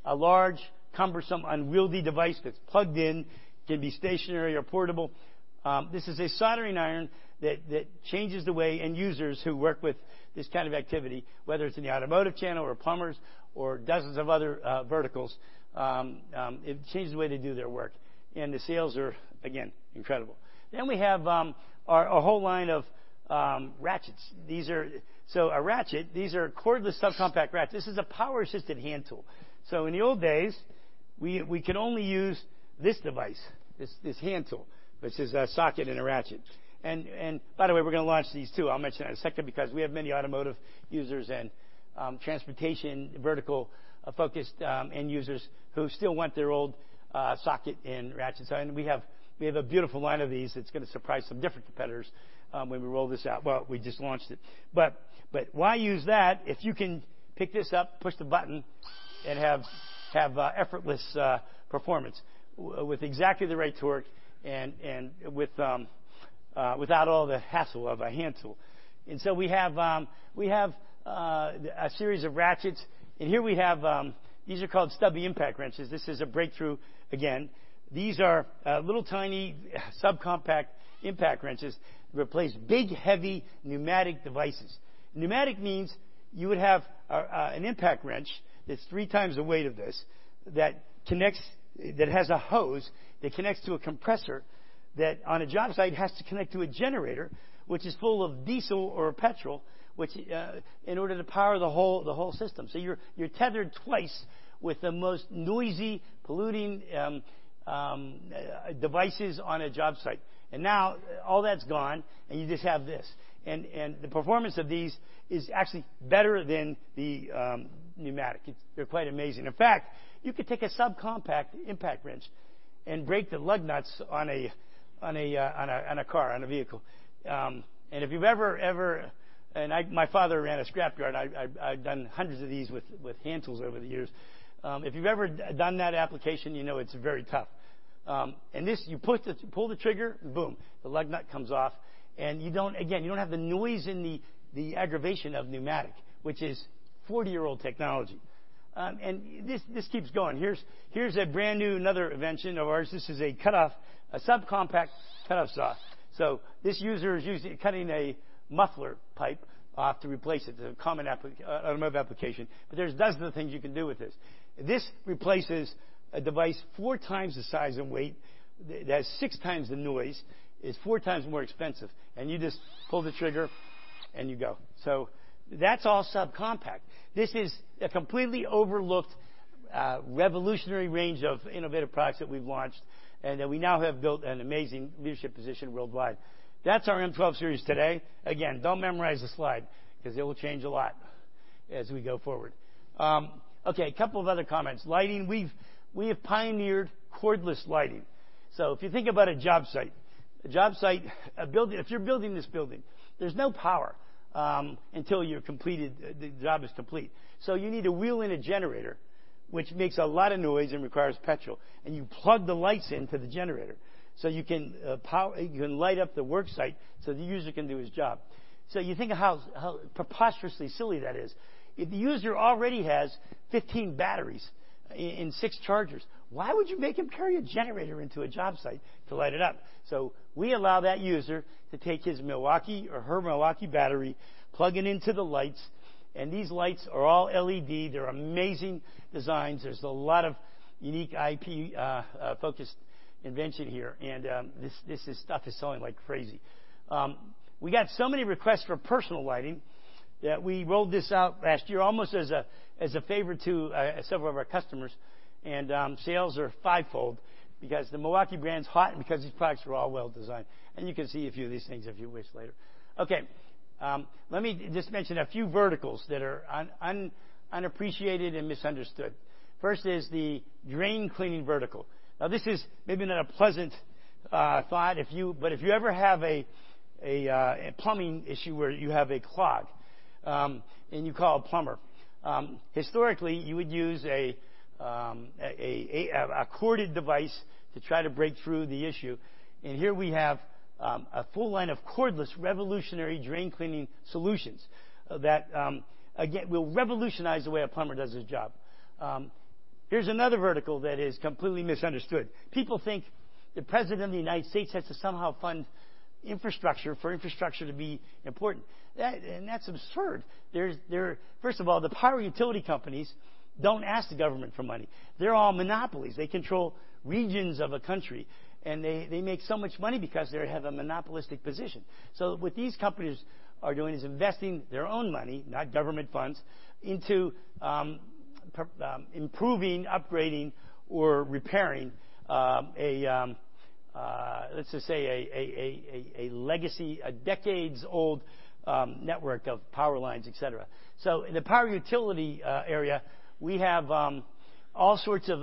a large, cumbersome, unwieldy device that's plugged in, can be stationary or portable. This is a soldering iron that changes the way end users who work with this kind of activity, whether it's in the automotive channel or plumbers or dozens of other verticals, it changes the way they do their work. The sales are, again, incredible. We have our whole line of ratchets. A ratchet, these are cordless subcompact ratchets. This is a power-assisted hand tool. In the old days, we could only use this device, this hand tool, which is a socket and a ratchet. By the way, we're going to launch these, too. I'll mention that in a second because we have many automotive users and transportation vertical-focused end users who still want their old socket and ratchet. We have a beautiful line of these that's going to surprise some different competitors when we roll this out. Well, we just launched it. Why use that if you can pick this up, push the button, and have effortless performance with exactly the right torque and without all the hassle of a hand tool. We have a series of ratchets, and here we have these are called stubby impact wrenches. This is a breakthrough, again. These are little tiny subcompact impact wrenches to replace big, heavy pneumatic devices. Pneumatic means you would have an impact wrench that's three times the weight of this, that has a hose, that connects to a compressor, that on a job site has to connect to a generator, which is full of diesel or petrol, in order to power the whole system. You're tethered twice with the most noisy, polluting devices on a job site. Now all that's gone, and you just have this. The performance of these is actually better than the pneumatic. They're quite amazing. In fact, you could take a subcompact impact wrench and break the lug nuts on a car, on a vehicle. If you've ever done that application, you know it's very tough. This, you pull the trigger, boom, the lug nut comes off, and you don't, again, you don't have the noise and the aggravation of pneumatic, which is 40-year-old technology. This keeps going. Here's a brand-new another invention of ours. This is a subcompact cut-off saw. This user is cutting a muffler pipe off to replace it. It's a common automotive application, there's dozens of things you can do with this. This replaces a device four times the size and weight, that's six times the noise. It's four times more expensive, you just pull the trigger, and you go. That's all subcompact. This is a completely overlooked, revolutionary range of innovative products that we've launched and that we now have built an amazing leadership position worldwide. That's our M12 series today. Don't memorize the slide because it will change a lot as we go forward. A couple of other comments. Lighting. We have pioneered cordless lighting. If you think about a job site, if you're building this building, there's no power until the job is complete. You need to wheel in a generator, which makes a lot of noise and requires petrol, you plug the lights into the generator so you can light up the work site so the user can do his job. You think of how preposterously silly that is. If the user already has 15 batteries and six chargers, why would you make him carry a generator into a job site to light it up? We allow that user to take his Milwaukee or her Milwaukee battery, plug it into the lights, and these lights are all LED. They're amazing designs. There's a lot of unique IP-focused invention here, this stuff is selling like crazy. We got so many requests for personal lighting that we rolled this out last year almost as a favor to several of our customers, sales are fivefold because the Milwaukee brand's hot and because these products are all well-designed. You can see a few of these things if you wish later. Let me just mention a few verticals that are unappreciated and misunderstood. First is the drain cleaning vertical. This is maybe not a pleasant thought, if you ever have a plumbing issue where you have a clog, you call a plumber, historically, you would use a corded device to try to break through the issue. Here we have a full line of cordless, revolutionary drain cleaning solutions that, again, will revolutionize the way a plumber does his job. Here's another vertical that is completely misunderstood. People think the President of the United States has to somehow fund infrastructure for infrastructure to be important. That's absurd. First of all, the power utility companies don't ask the government for money. They're all monopolies. They control regions of a country, and they make so much money because they have a monopolistic position. What these companies are doing is investing their own money, not government funds, into improving, upgrading, or repairing, let's just say, a legacy, a decades-old network of power lines, et cetera. In the power utility area, we have all sorts of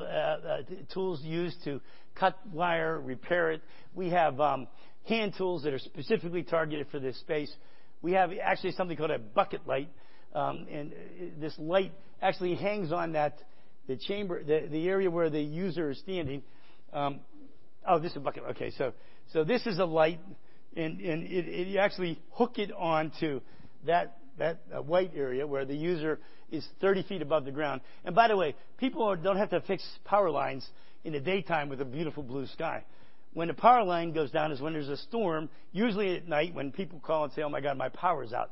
tools used to cut wire, repair it. We have hand tools that are specifically targeted for this space. We have actually something called a bucket light, and this light actually hangs on the area where the user is standing. Oh, this is a bucket. Okay. This is a light, and you actually hook it on to that white area where the user is 30 feet above the ground. By the way, people don't have to fix power lines in the daytime with a beautiful blue sky. When a power line goes down is when there's a storm, usually at night when people call and say, "Oh my God, my power is out."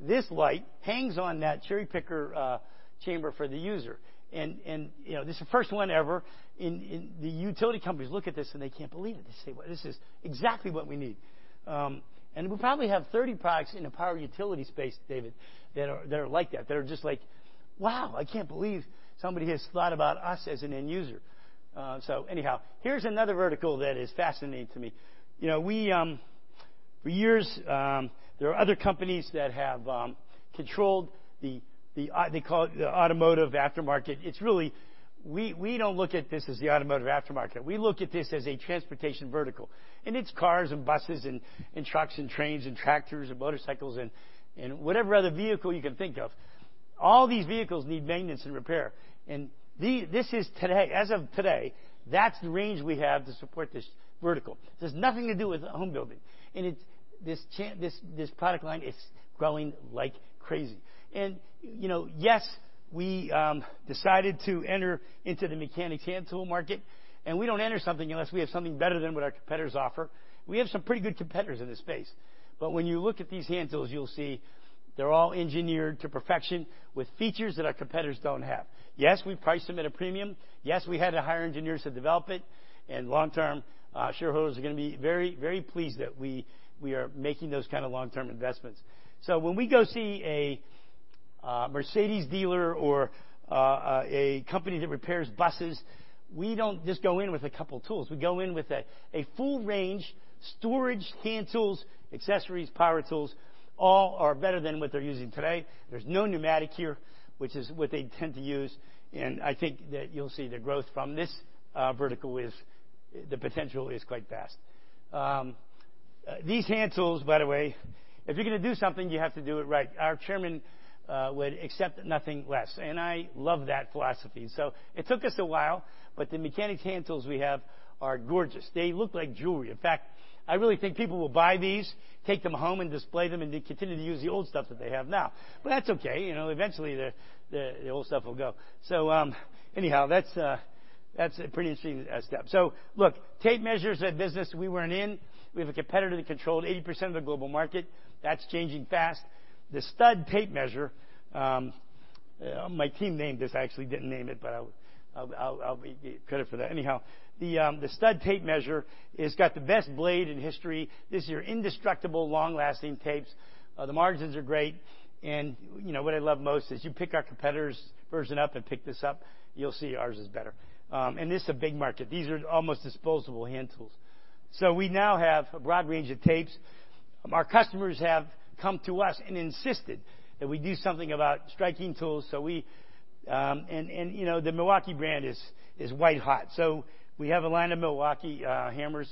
This light hangs on that cherry picker chamber for the user. This is the first one ever. The utility companies look at this, and they can't believe it. They say, "Well, this is exactly what we need." We probably have 30 products in the power utility space, David, that are like that. That are just like, "Wow, I can't believe somebody has thought about us as an end user." Anyhow, here's another vertical that is fascinating to me. For years, there are other companies that have controlled the, they call it the automotive aftermarket. We don't look at this as the automotive aftermarket. We look at this as a transportation vertical. It's cars and buses and trucks and trains and tractors and motorcycles and whatever other vehicle you can think of. All these vehicles need maintenance and repair. As of today, that's the range we have to support this vertical. This has nothing to do with home building. This product line is growing like crazy. Yes, we decided to enter into the mechanics hand tool market, and we don't enter something unless we have something better than what our competitors offer. We have some pretty good competitors in this space. When you look at these hand tools, you'll see they're all engineered to perfection with features that our competitors don't have. Yes, we price them at a premium. Yes, we had to hire engineers to develop it. Long term, shareholders are going to be very, very pleased that we are making those kind of long-term investments. When we go see a Mercedes dealer or a company that repairs buses, we don't just go in with a couple of tools. We go in with a full range, storage, hand tools, accessories, power tools, all are better than what they're using today. There's no pneumatic here, which is what they tend to use. I think that you'll see the growth from this vertical is the potential is quite vast. These hand tools, by the way, if you're going to do something, you have to do it right. Our Chairman would accept nothing less. I love that philosophy. It took us a while, but the mechanics hand tools we have are gorgeous. They look like jewelry. In fact, I really think people will buy these, take them home and display them. They continue to use the old stuff that they have now. That's okay. Eventually, the old stuff will go. That's a pretty interesting step. Tape measures, a business we weren't in. We have a competitor that controlled 80% of the global market. That's changing fast. The STUD Tape Measure. My team named this. I actually didn't name it, but I'll give credit for that. The STUD Tape Measure has got the best blade in history. This is your indestructible long-lasting tapes. The margins are great. You know what I love most is you pick our competitor's version up and pick this up, you'll see ours is better. This is a big market. These are almost disposable hand tools. We now have a broad range of tapes. Our customers have come to us and insisted that we do something about striking tools. The Milwaukee brand is white hot. We have a line of Milwaukee hammers.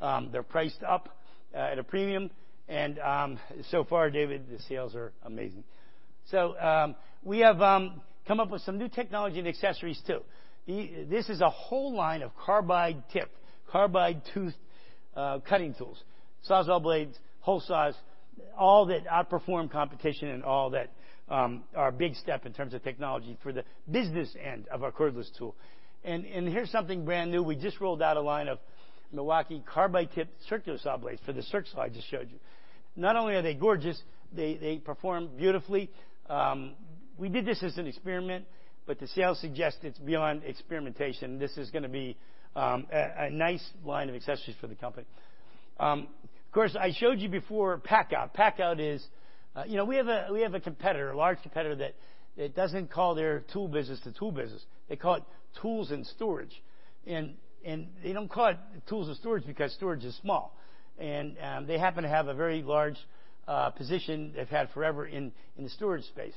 They're priced up at a premium. So far, David, the sales are amazing. We have come up with some new technology and accessories, too. This is a whole line of carbide tip, carbide tooth cutting tools, Sawzall blades, hole saws, all that outperform competition. All that are a big step in terms of technology for the business end of our cordless tool. Here's something brand new. We just rolled out a line of Milwaukee carbide tip circular saw blades for the circ saw I just showed you. Not only are they gorgeous, they perform beautifully. We did this as an experiment, but the sales suggest it's beyond experimentation. This is going to be a nice line of accessories for the company. Of course, I showed you before, PACKOUT. PACKOUT is. We have a competitor, a large competitor, that doesn't call their tool business the tool business. They call it tools and storage. They don't call it tools and storage because storage is small. They happen to have a very large position they've had forever in the storage space.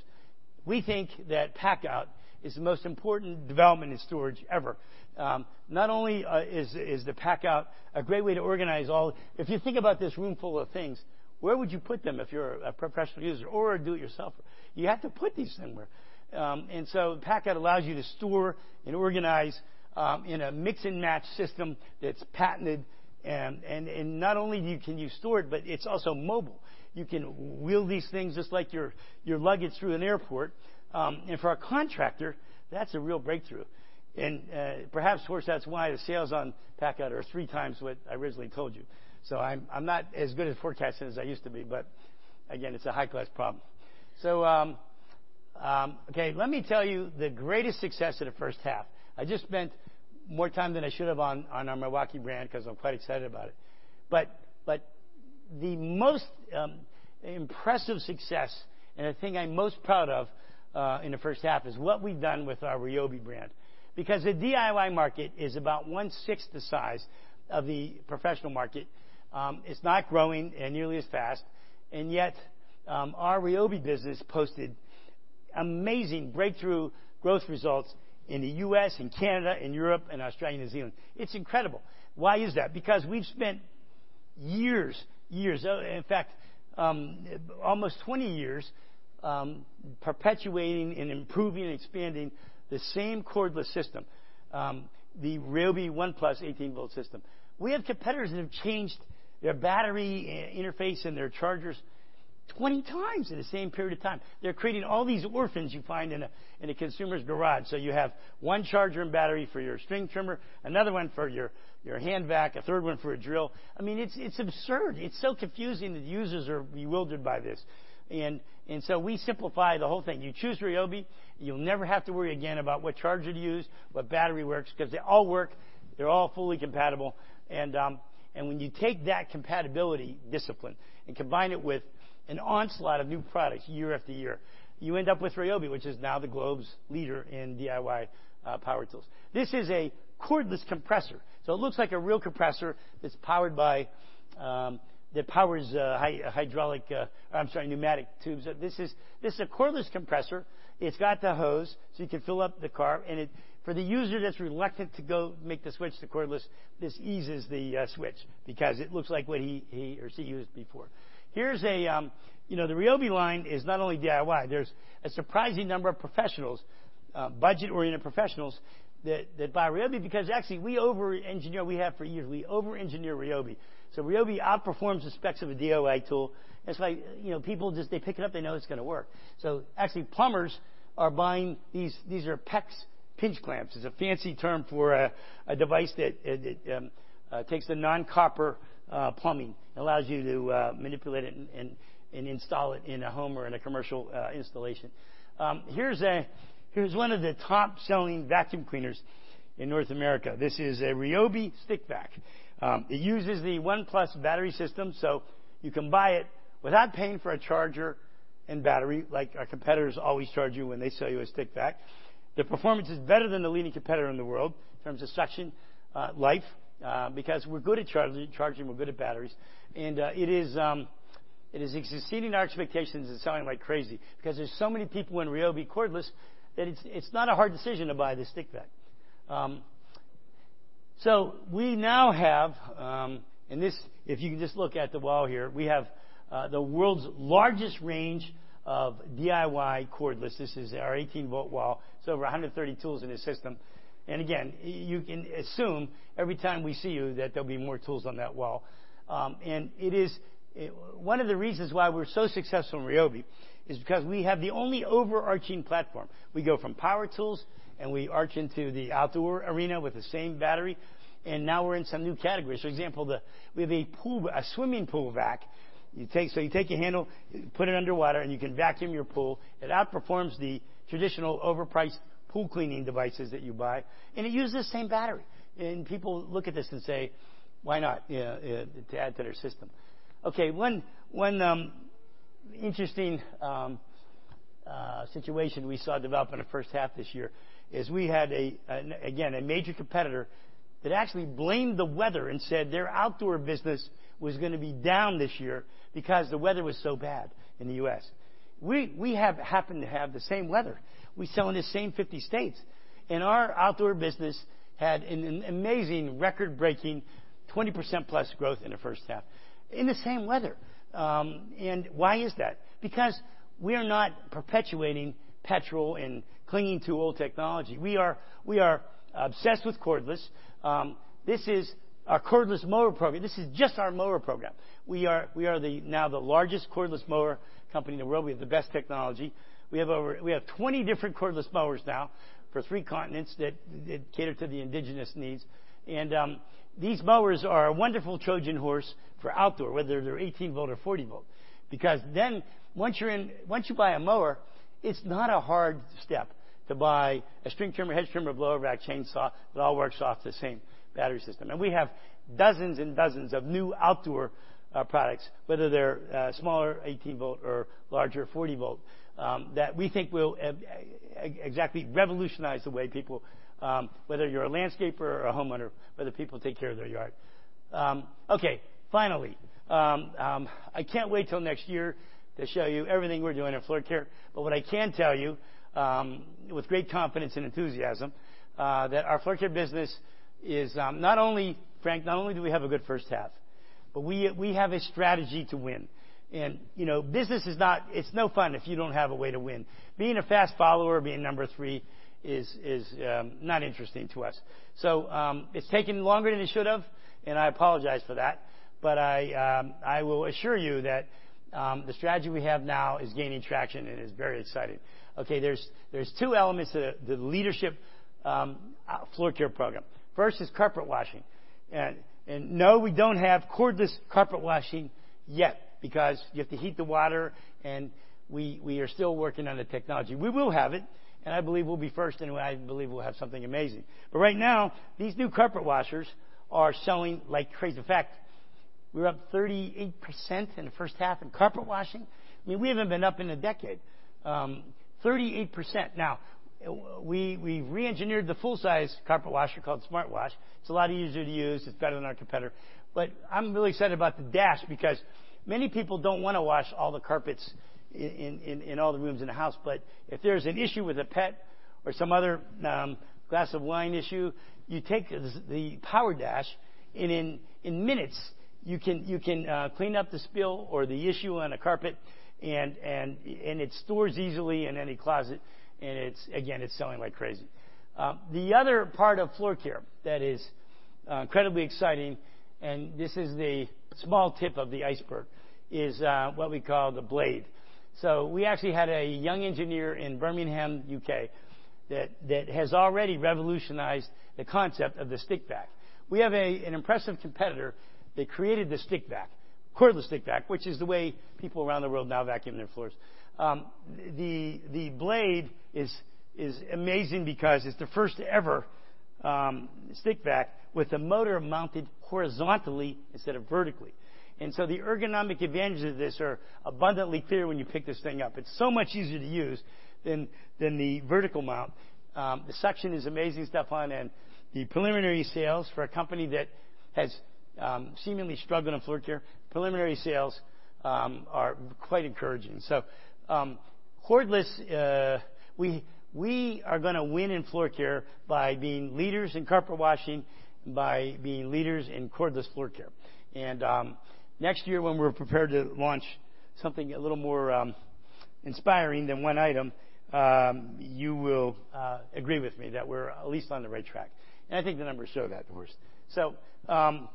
We think that PACKOUT is the most important development in storage ever. Not only is the PACKOUT a great way to organize all. If you think about this room full of things, where would you put them if you're a professional user or a do-it-yourselfer? You have to put these somewhere. PACKOUT allows you to store and organize in a mix-and-match system that's patented. Not only can you store it's also mobile. You can wheel these things just like your luggage through an airport. For a contractor, that's a real breakthrough. Perhaps, of course, that's why the sales on PACKOUT are three times what I originally told you. I'm not as good at forecasting as I used to be, again, it's a high-class problem. Let me tell you the greatest success of the first half. I just spent more time than I should have on our Milwaukee brand because I'm quite excited about it. The most impressive success and the thing I'm most proud of in the first half is what we've done with our RYOBI brand. Because the DIY market is about one-sixth the size of the professional market. It's not growing nearly as fast. Yet our RYOBI business posted amazing breakthrough growth results in the U.S. and Canada and Europe and Australia and New Zealand. It's incredible. Why is that? Because we've spent years. In fact, almost 20 years perpetuating and improving, expanding the same cordless system, the RYOBI ONE+ 18-volt system. We have competitors that have changed their battery interface and their chargers 20 times in the same period of time. They're creating all these orphans you find in a consumer's garage. You have one charger and battery for your string trimmer, another one for your hand vac, a third one for a drill. I mean, it's absurd. It's so confusing that users are bewildered by this. We simplify the whole thing. You choose RYOBI, you'll never have to worry again about what charger to use, what battery works, because they all work, they're all fully compatible. When you take that compatibility discipline and combine it with an onslaught of new products year after year, you end up with RYOBI, which is now the globe's leader in DIY power tools. This is a cordless compressor. It looks like a real compressor that powers pneumatic tools. This is a cordless compressor. It's got the hose so you can fill up the car. For the user that's reluctant to go make the switch to cordless, this eases the switch because it looks like what he or she used before. The RYOBI line is not only DIY. There's a surprising number of professionals, budget-oriented professionals, that buy RYOBI because actually we over-engineer, we have for years, we over-engineer RYOBI. RYOBI outperforms the specs of a DIY tool. That's why people just pick it up. They know it's going to work. Actually, plumbers are buying these. These are PEX pinch clamps. It's a fancy term for a device that takes the non-copper plumbing and allows you to manipulate it and install it in a home or in a commercial installation. Here's one of the top-selling vacuum cleaners in North America. This is a RYOBI stick vac. It uses the ONE+ battery system, so you can buy it without paying for a charger and battery like our competitors always charge you when they sell you a stick vac. The performance is better than the leading competitor in the world in terms of suction life, because we're good at charging, we're good at batteries. It is exceeding our expectations and selling like crazy because there's so many people in RYOBI cordless that it's not a hard decision to buy the stick vac. We now have, and if you can just look at the wall here, we have the world's largest range of DIY cordless. This is our 18-volt wall. It's over 130 tools in this system. Again, you can assume every time we see you that there'll be more tools on that wall. One of the reasons why we're so successful in RYOBI is because we have the only overarching platform. We go from power tools, and we arch into the outdoor arena with the same battery, and now we're in some new categories. For example, we have a swimming pool vac. You take your handle, put it underwater, and you can vacuum your pool. It outperforms the traditional overpriced pool cleaning devices that you buy. It uses the same battery. People look at this and say, "Why not?" To add to their system. Okay. Interesting situation we saw develop in the first half this year is we had, again, a major competitor that actually blamed the weather and said their outdoor business was going to be down this year because the weather was so bad in the U.S. We happened to have the same weather. We sell in the same 50 states, and our outdoor business had an amazing record-breaking 20%+ growth in the first half in the same weather. Why is that? Because we're not perpetuating petrol and clinging to old technology. We are obsessed with cordless. This is our cordless mower program. This is just our mower program. We are now the largest cordless mower company in the world. We have the best technology. We have 20 different cordless mowers now for three continents that cater to the indigenous needs. These mowers are a wonderful Trojan horse for outdoor, whether they're 18 volt or 40 volt. Once you buy a mower, it's not a hard step to buy a string trimmer, hedge trimmer, blower, vac, chainsaw, it all works off the same battery system. We have dozens and dozens of new outdoor products, whether they're smaller 18 volt or larger 40 volt, that we think will exactly revolutionize the way people, whether you're a landscaper or a homeowner, the way that people take care of their yard. Okay, finally, I can't wait till next year to show you everything we're doing at floor care. What I can tell you, with great confidence and enthusiasm, that our floor care business is, Frank, not only do we have a good first half, but we have a strategy to win. Business, it's no fun if you don't have a way to win. Being a fast follower, being number 3 is not interesting to us. It's taken longer than it should have, and I apologize for that, but I will assure you that the strategy we have now is gaining traction and is very exciting. Okay, there's two elements to the leadership floor care program. First is carpet washing. No, we don't have cordless carpet washing yet because you have to heat the water, and we're still working on the technology. We will have it, and I believe we'll be first, and I believe we'll have something amazing. But right now, these new carpet washers are selling like crazy. In fact, we're up 38% in the first half in carpet washing. We haven't been up in a decade, 38%. We re-engineered the full-size carpet washer called SmartWash. It's a lot easier to use. It's better than our competitor. I'm really excited about the PowerDash because many people don't want to wash all the carpets in all the rooms in the house. If there's an issue with a pet or some other glass of wine issue, you take the PowerDash and in minutes you can clean up the spill or the issue on a carpet, and it stores easily in any closet. Again, it's selling like crazy. The other part of floor care that is incredibly exciting, and this is the small tip of the iceberg, is what we call the Blade. We actually had a young engineer in Birmingham, U.K., that has already revolutionized the concept of the stick vac. We have an impressive competitor that created the stick vac, cordless stick vac, which is the way people around the world now vacuum their floors. The Blade is amazing because it's the first ever stick vac with a motor mounted horizontally instead of vertically. The ergonomic advantages of this are abundantly clear when you pick this thing up. It's so much easier to use than the vertical mount. The suction is amazing, Stephan. The preliminary sales for a company that has seemingly struggled in floor care, preliminary sales are quite encouraging. Cordless, we are going to win in floor care by being leaders in carpet washing, by being leaders in cordless floor care. Next year, when we're prepared to launch something a little more inspiring than one item, you will agree with me that we're at least on the right track, and I think the numbers show that, of course.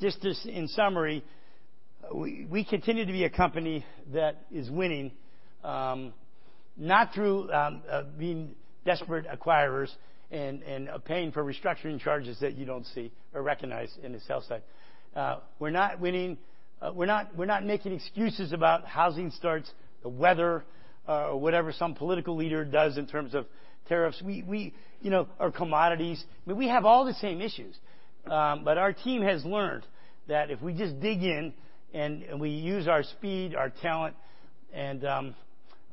Just in summary, we continue to be a company that is winning, not through being desperate acquirers and paying for restructuring charges that you don't see or recognize in the sell side. We're not making excuses about housing starts, the weather, or whatever some political leader does in terms of tariffs, or commodities. We have all the same issues. Our team has learned that if we just dig in and we use our speed, our talent, and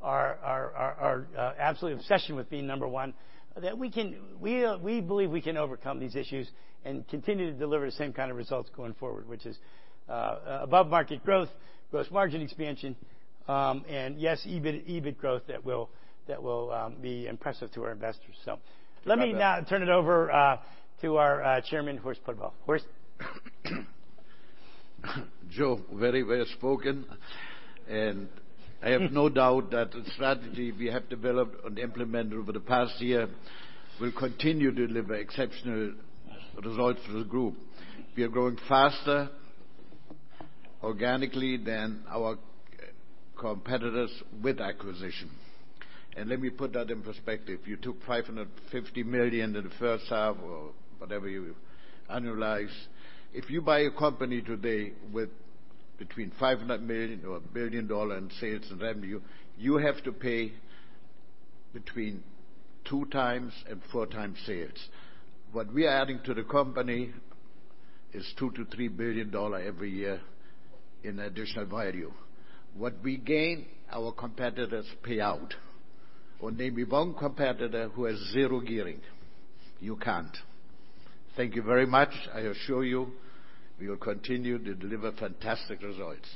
our absolute obsession with being number one, that we believe we can overcome these issues and continue to deliver the same kind of results going forward, which is above market growth, gross margin expansion, and yes, EBIT growth that will be impressive to our investors. Let me now turn it over to our chairman, Horst Pudwill. Horst? Joe, very well spoken, I have no doubt that the strategy we have developed and implemented over the past year will continue to deliver exceptional results for the group. We are growing faster organically than our competitors with acquisition. Let me put that in perspective. You took $550 million in the first half or whatever you annualize. If you buy a company today with between $500 million or $1 billion in sales and revenue, you have to pay between 2 times and 4 times sales. What we are adding to the company is $2 billion to $3 billion every year in additional value. What we gain, our competitors pay out. Name me one competitor who has zero gearing. You can't. Thank you very much. I assure you, we will continue to deliver fantastic results.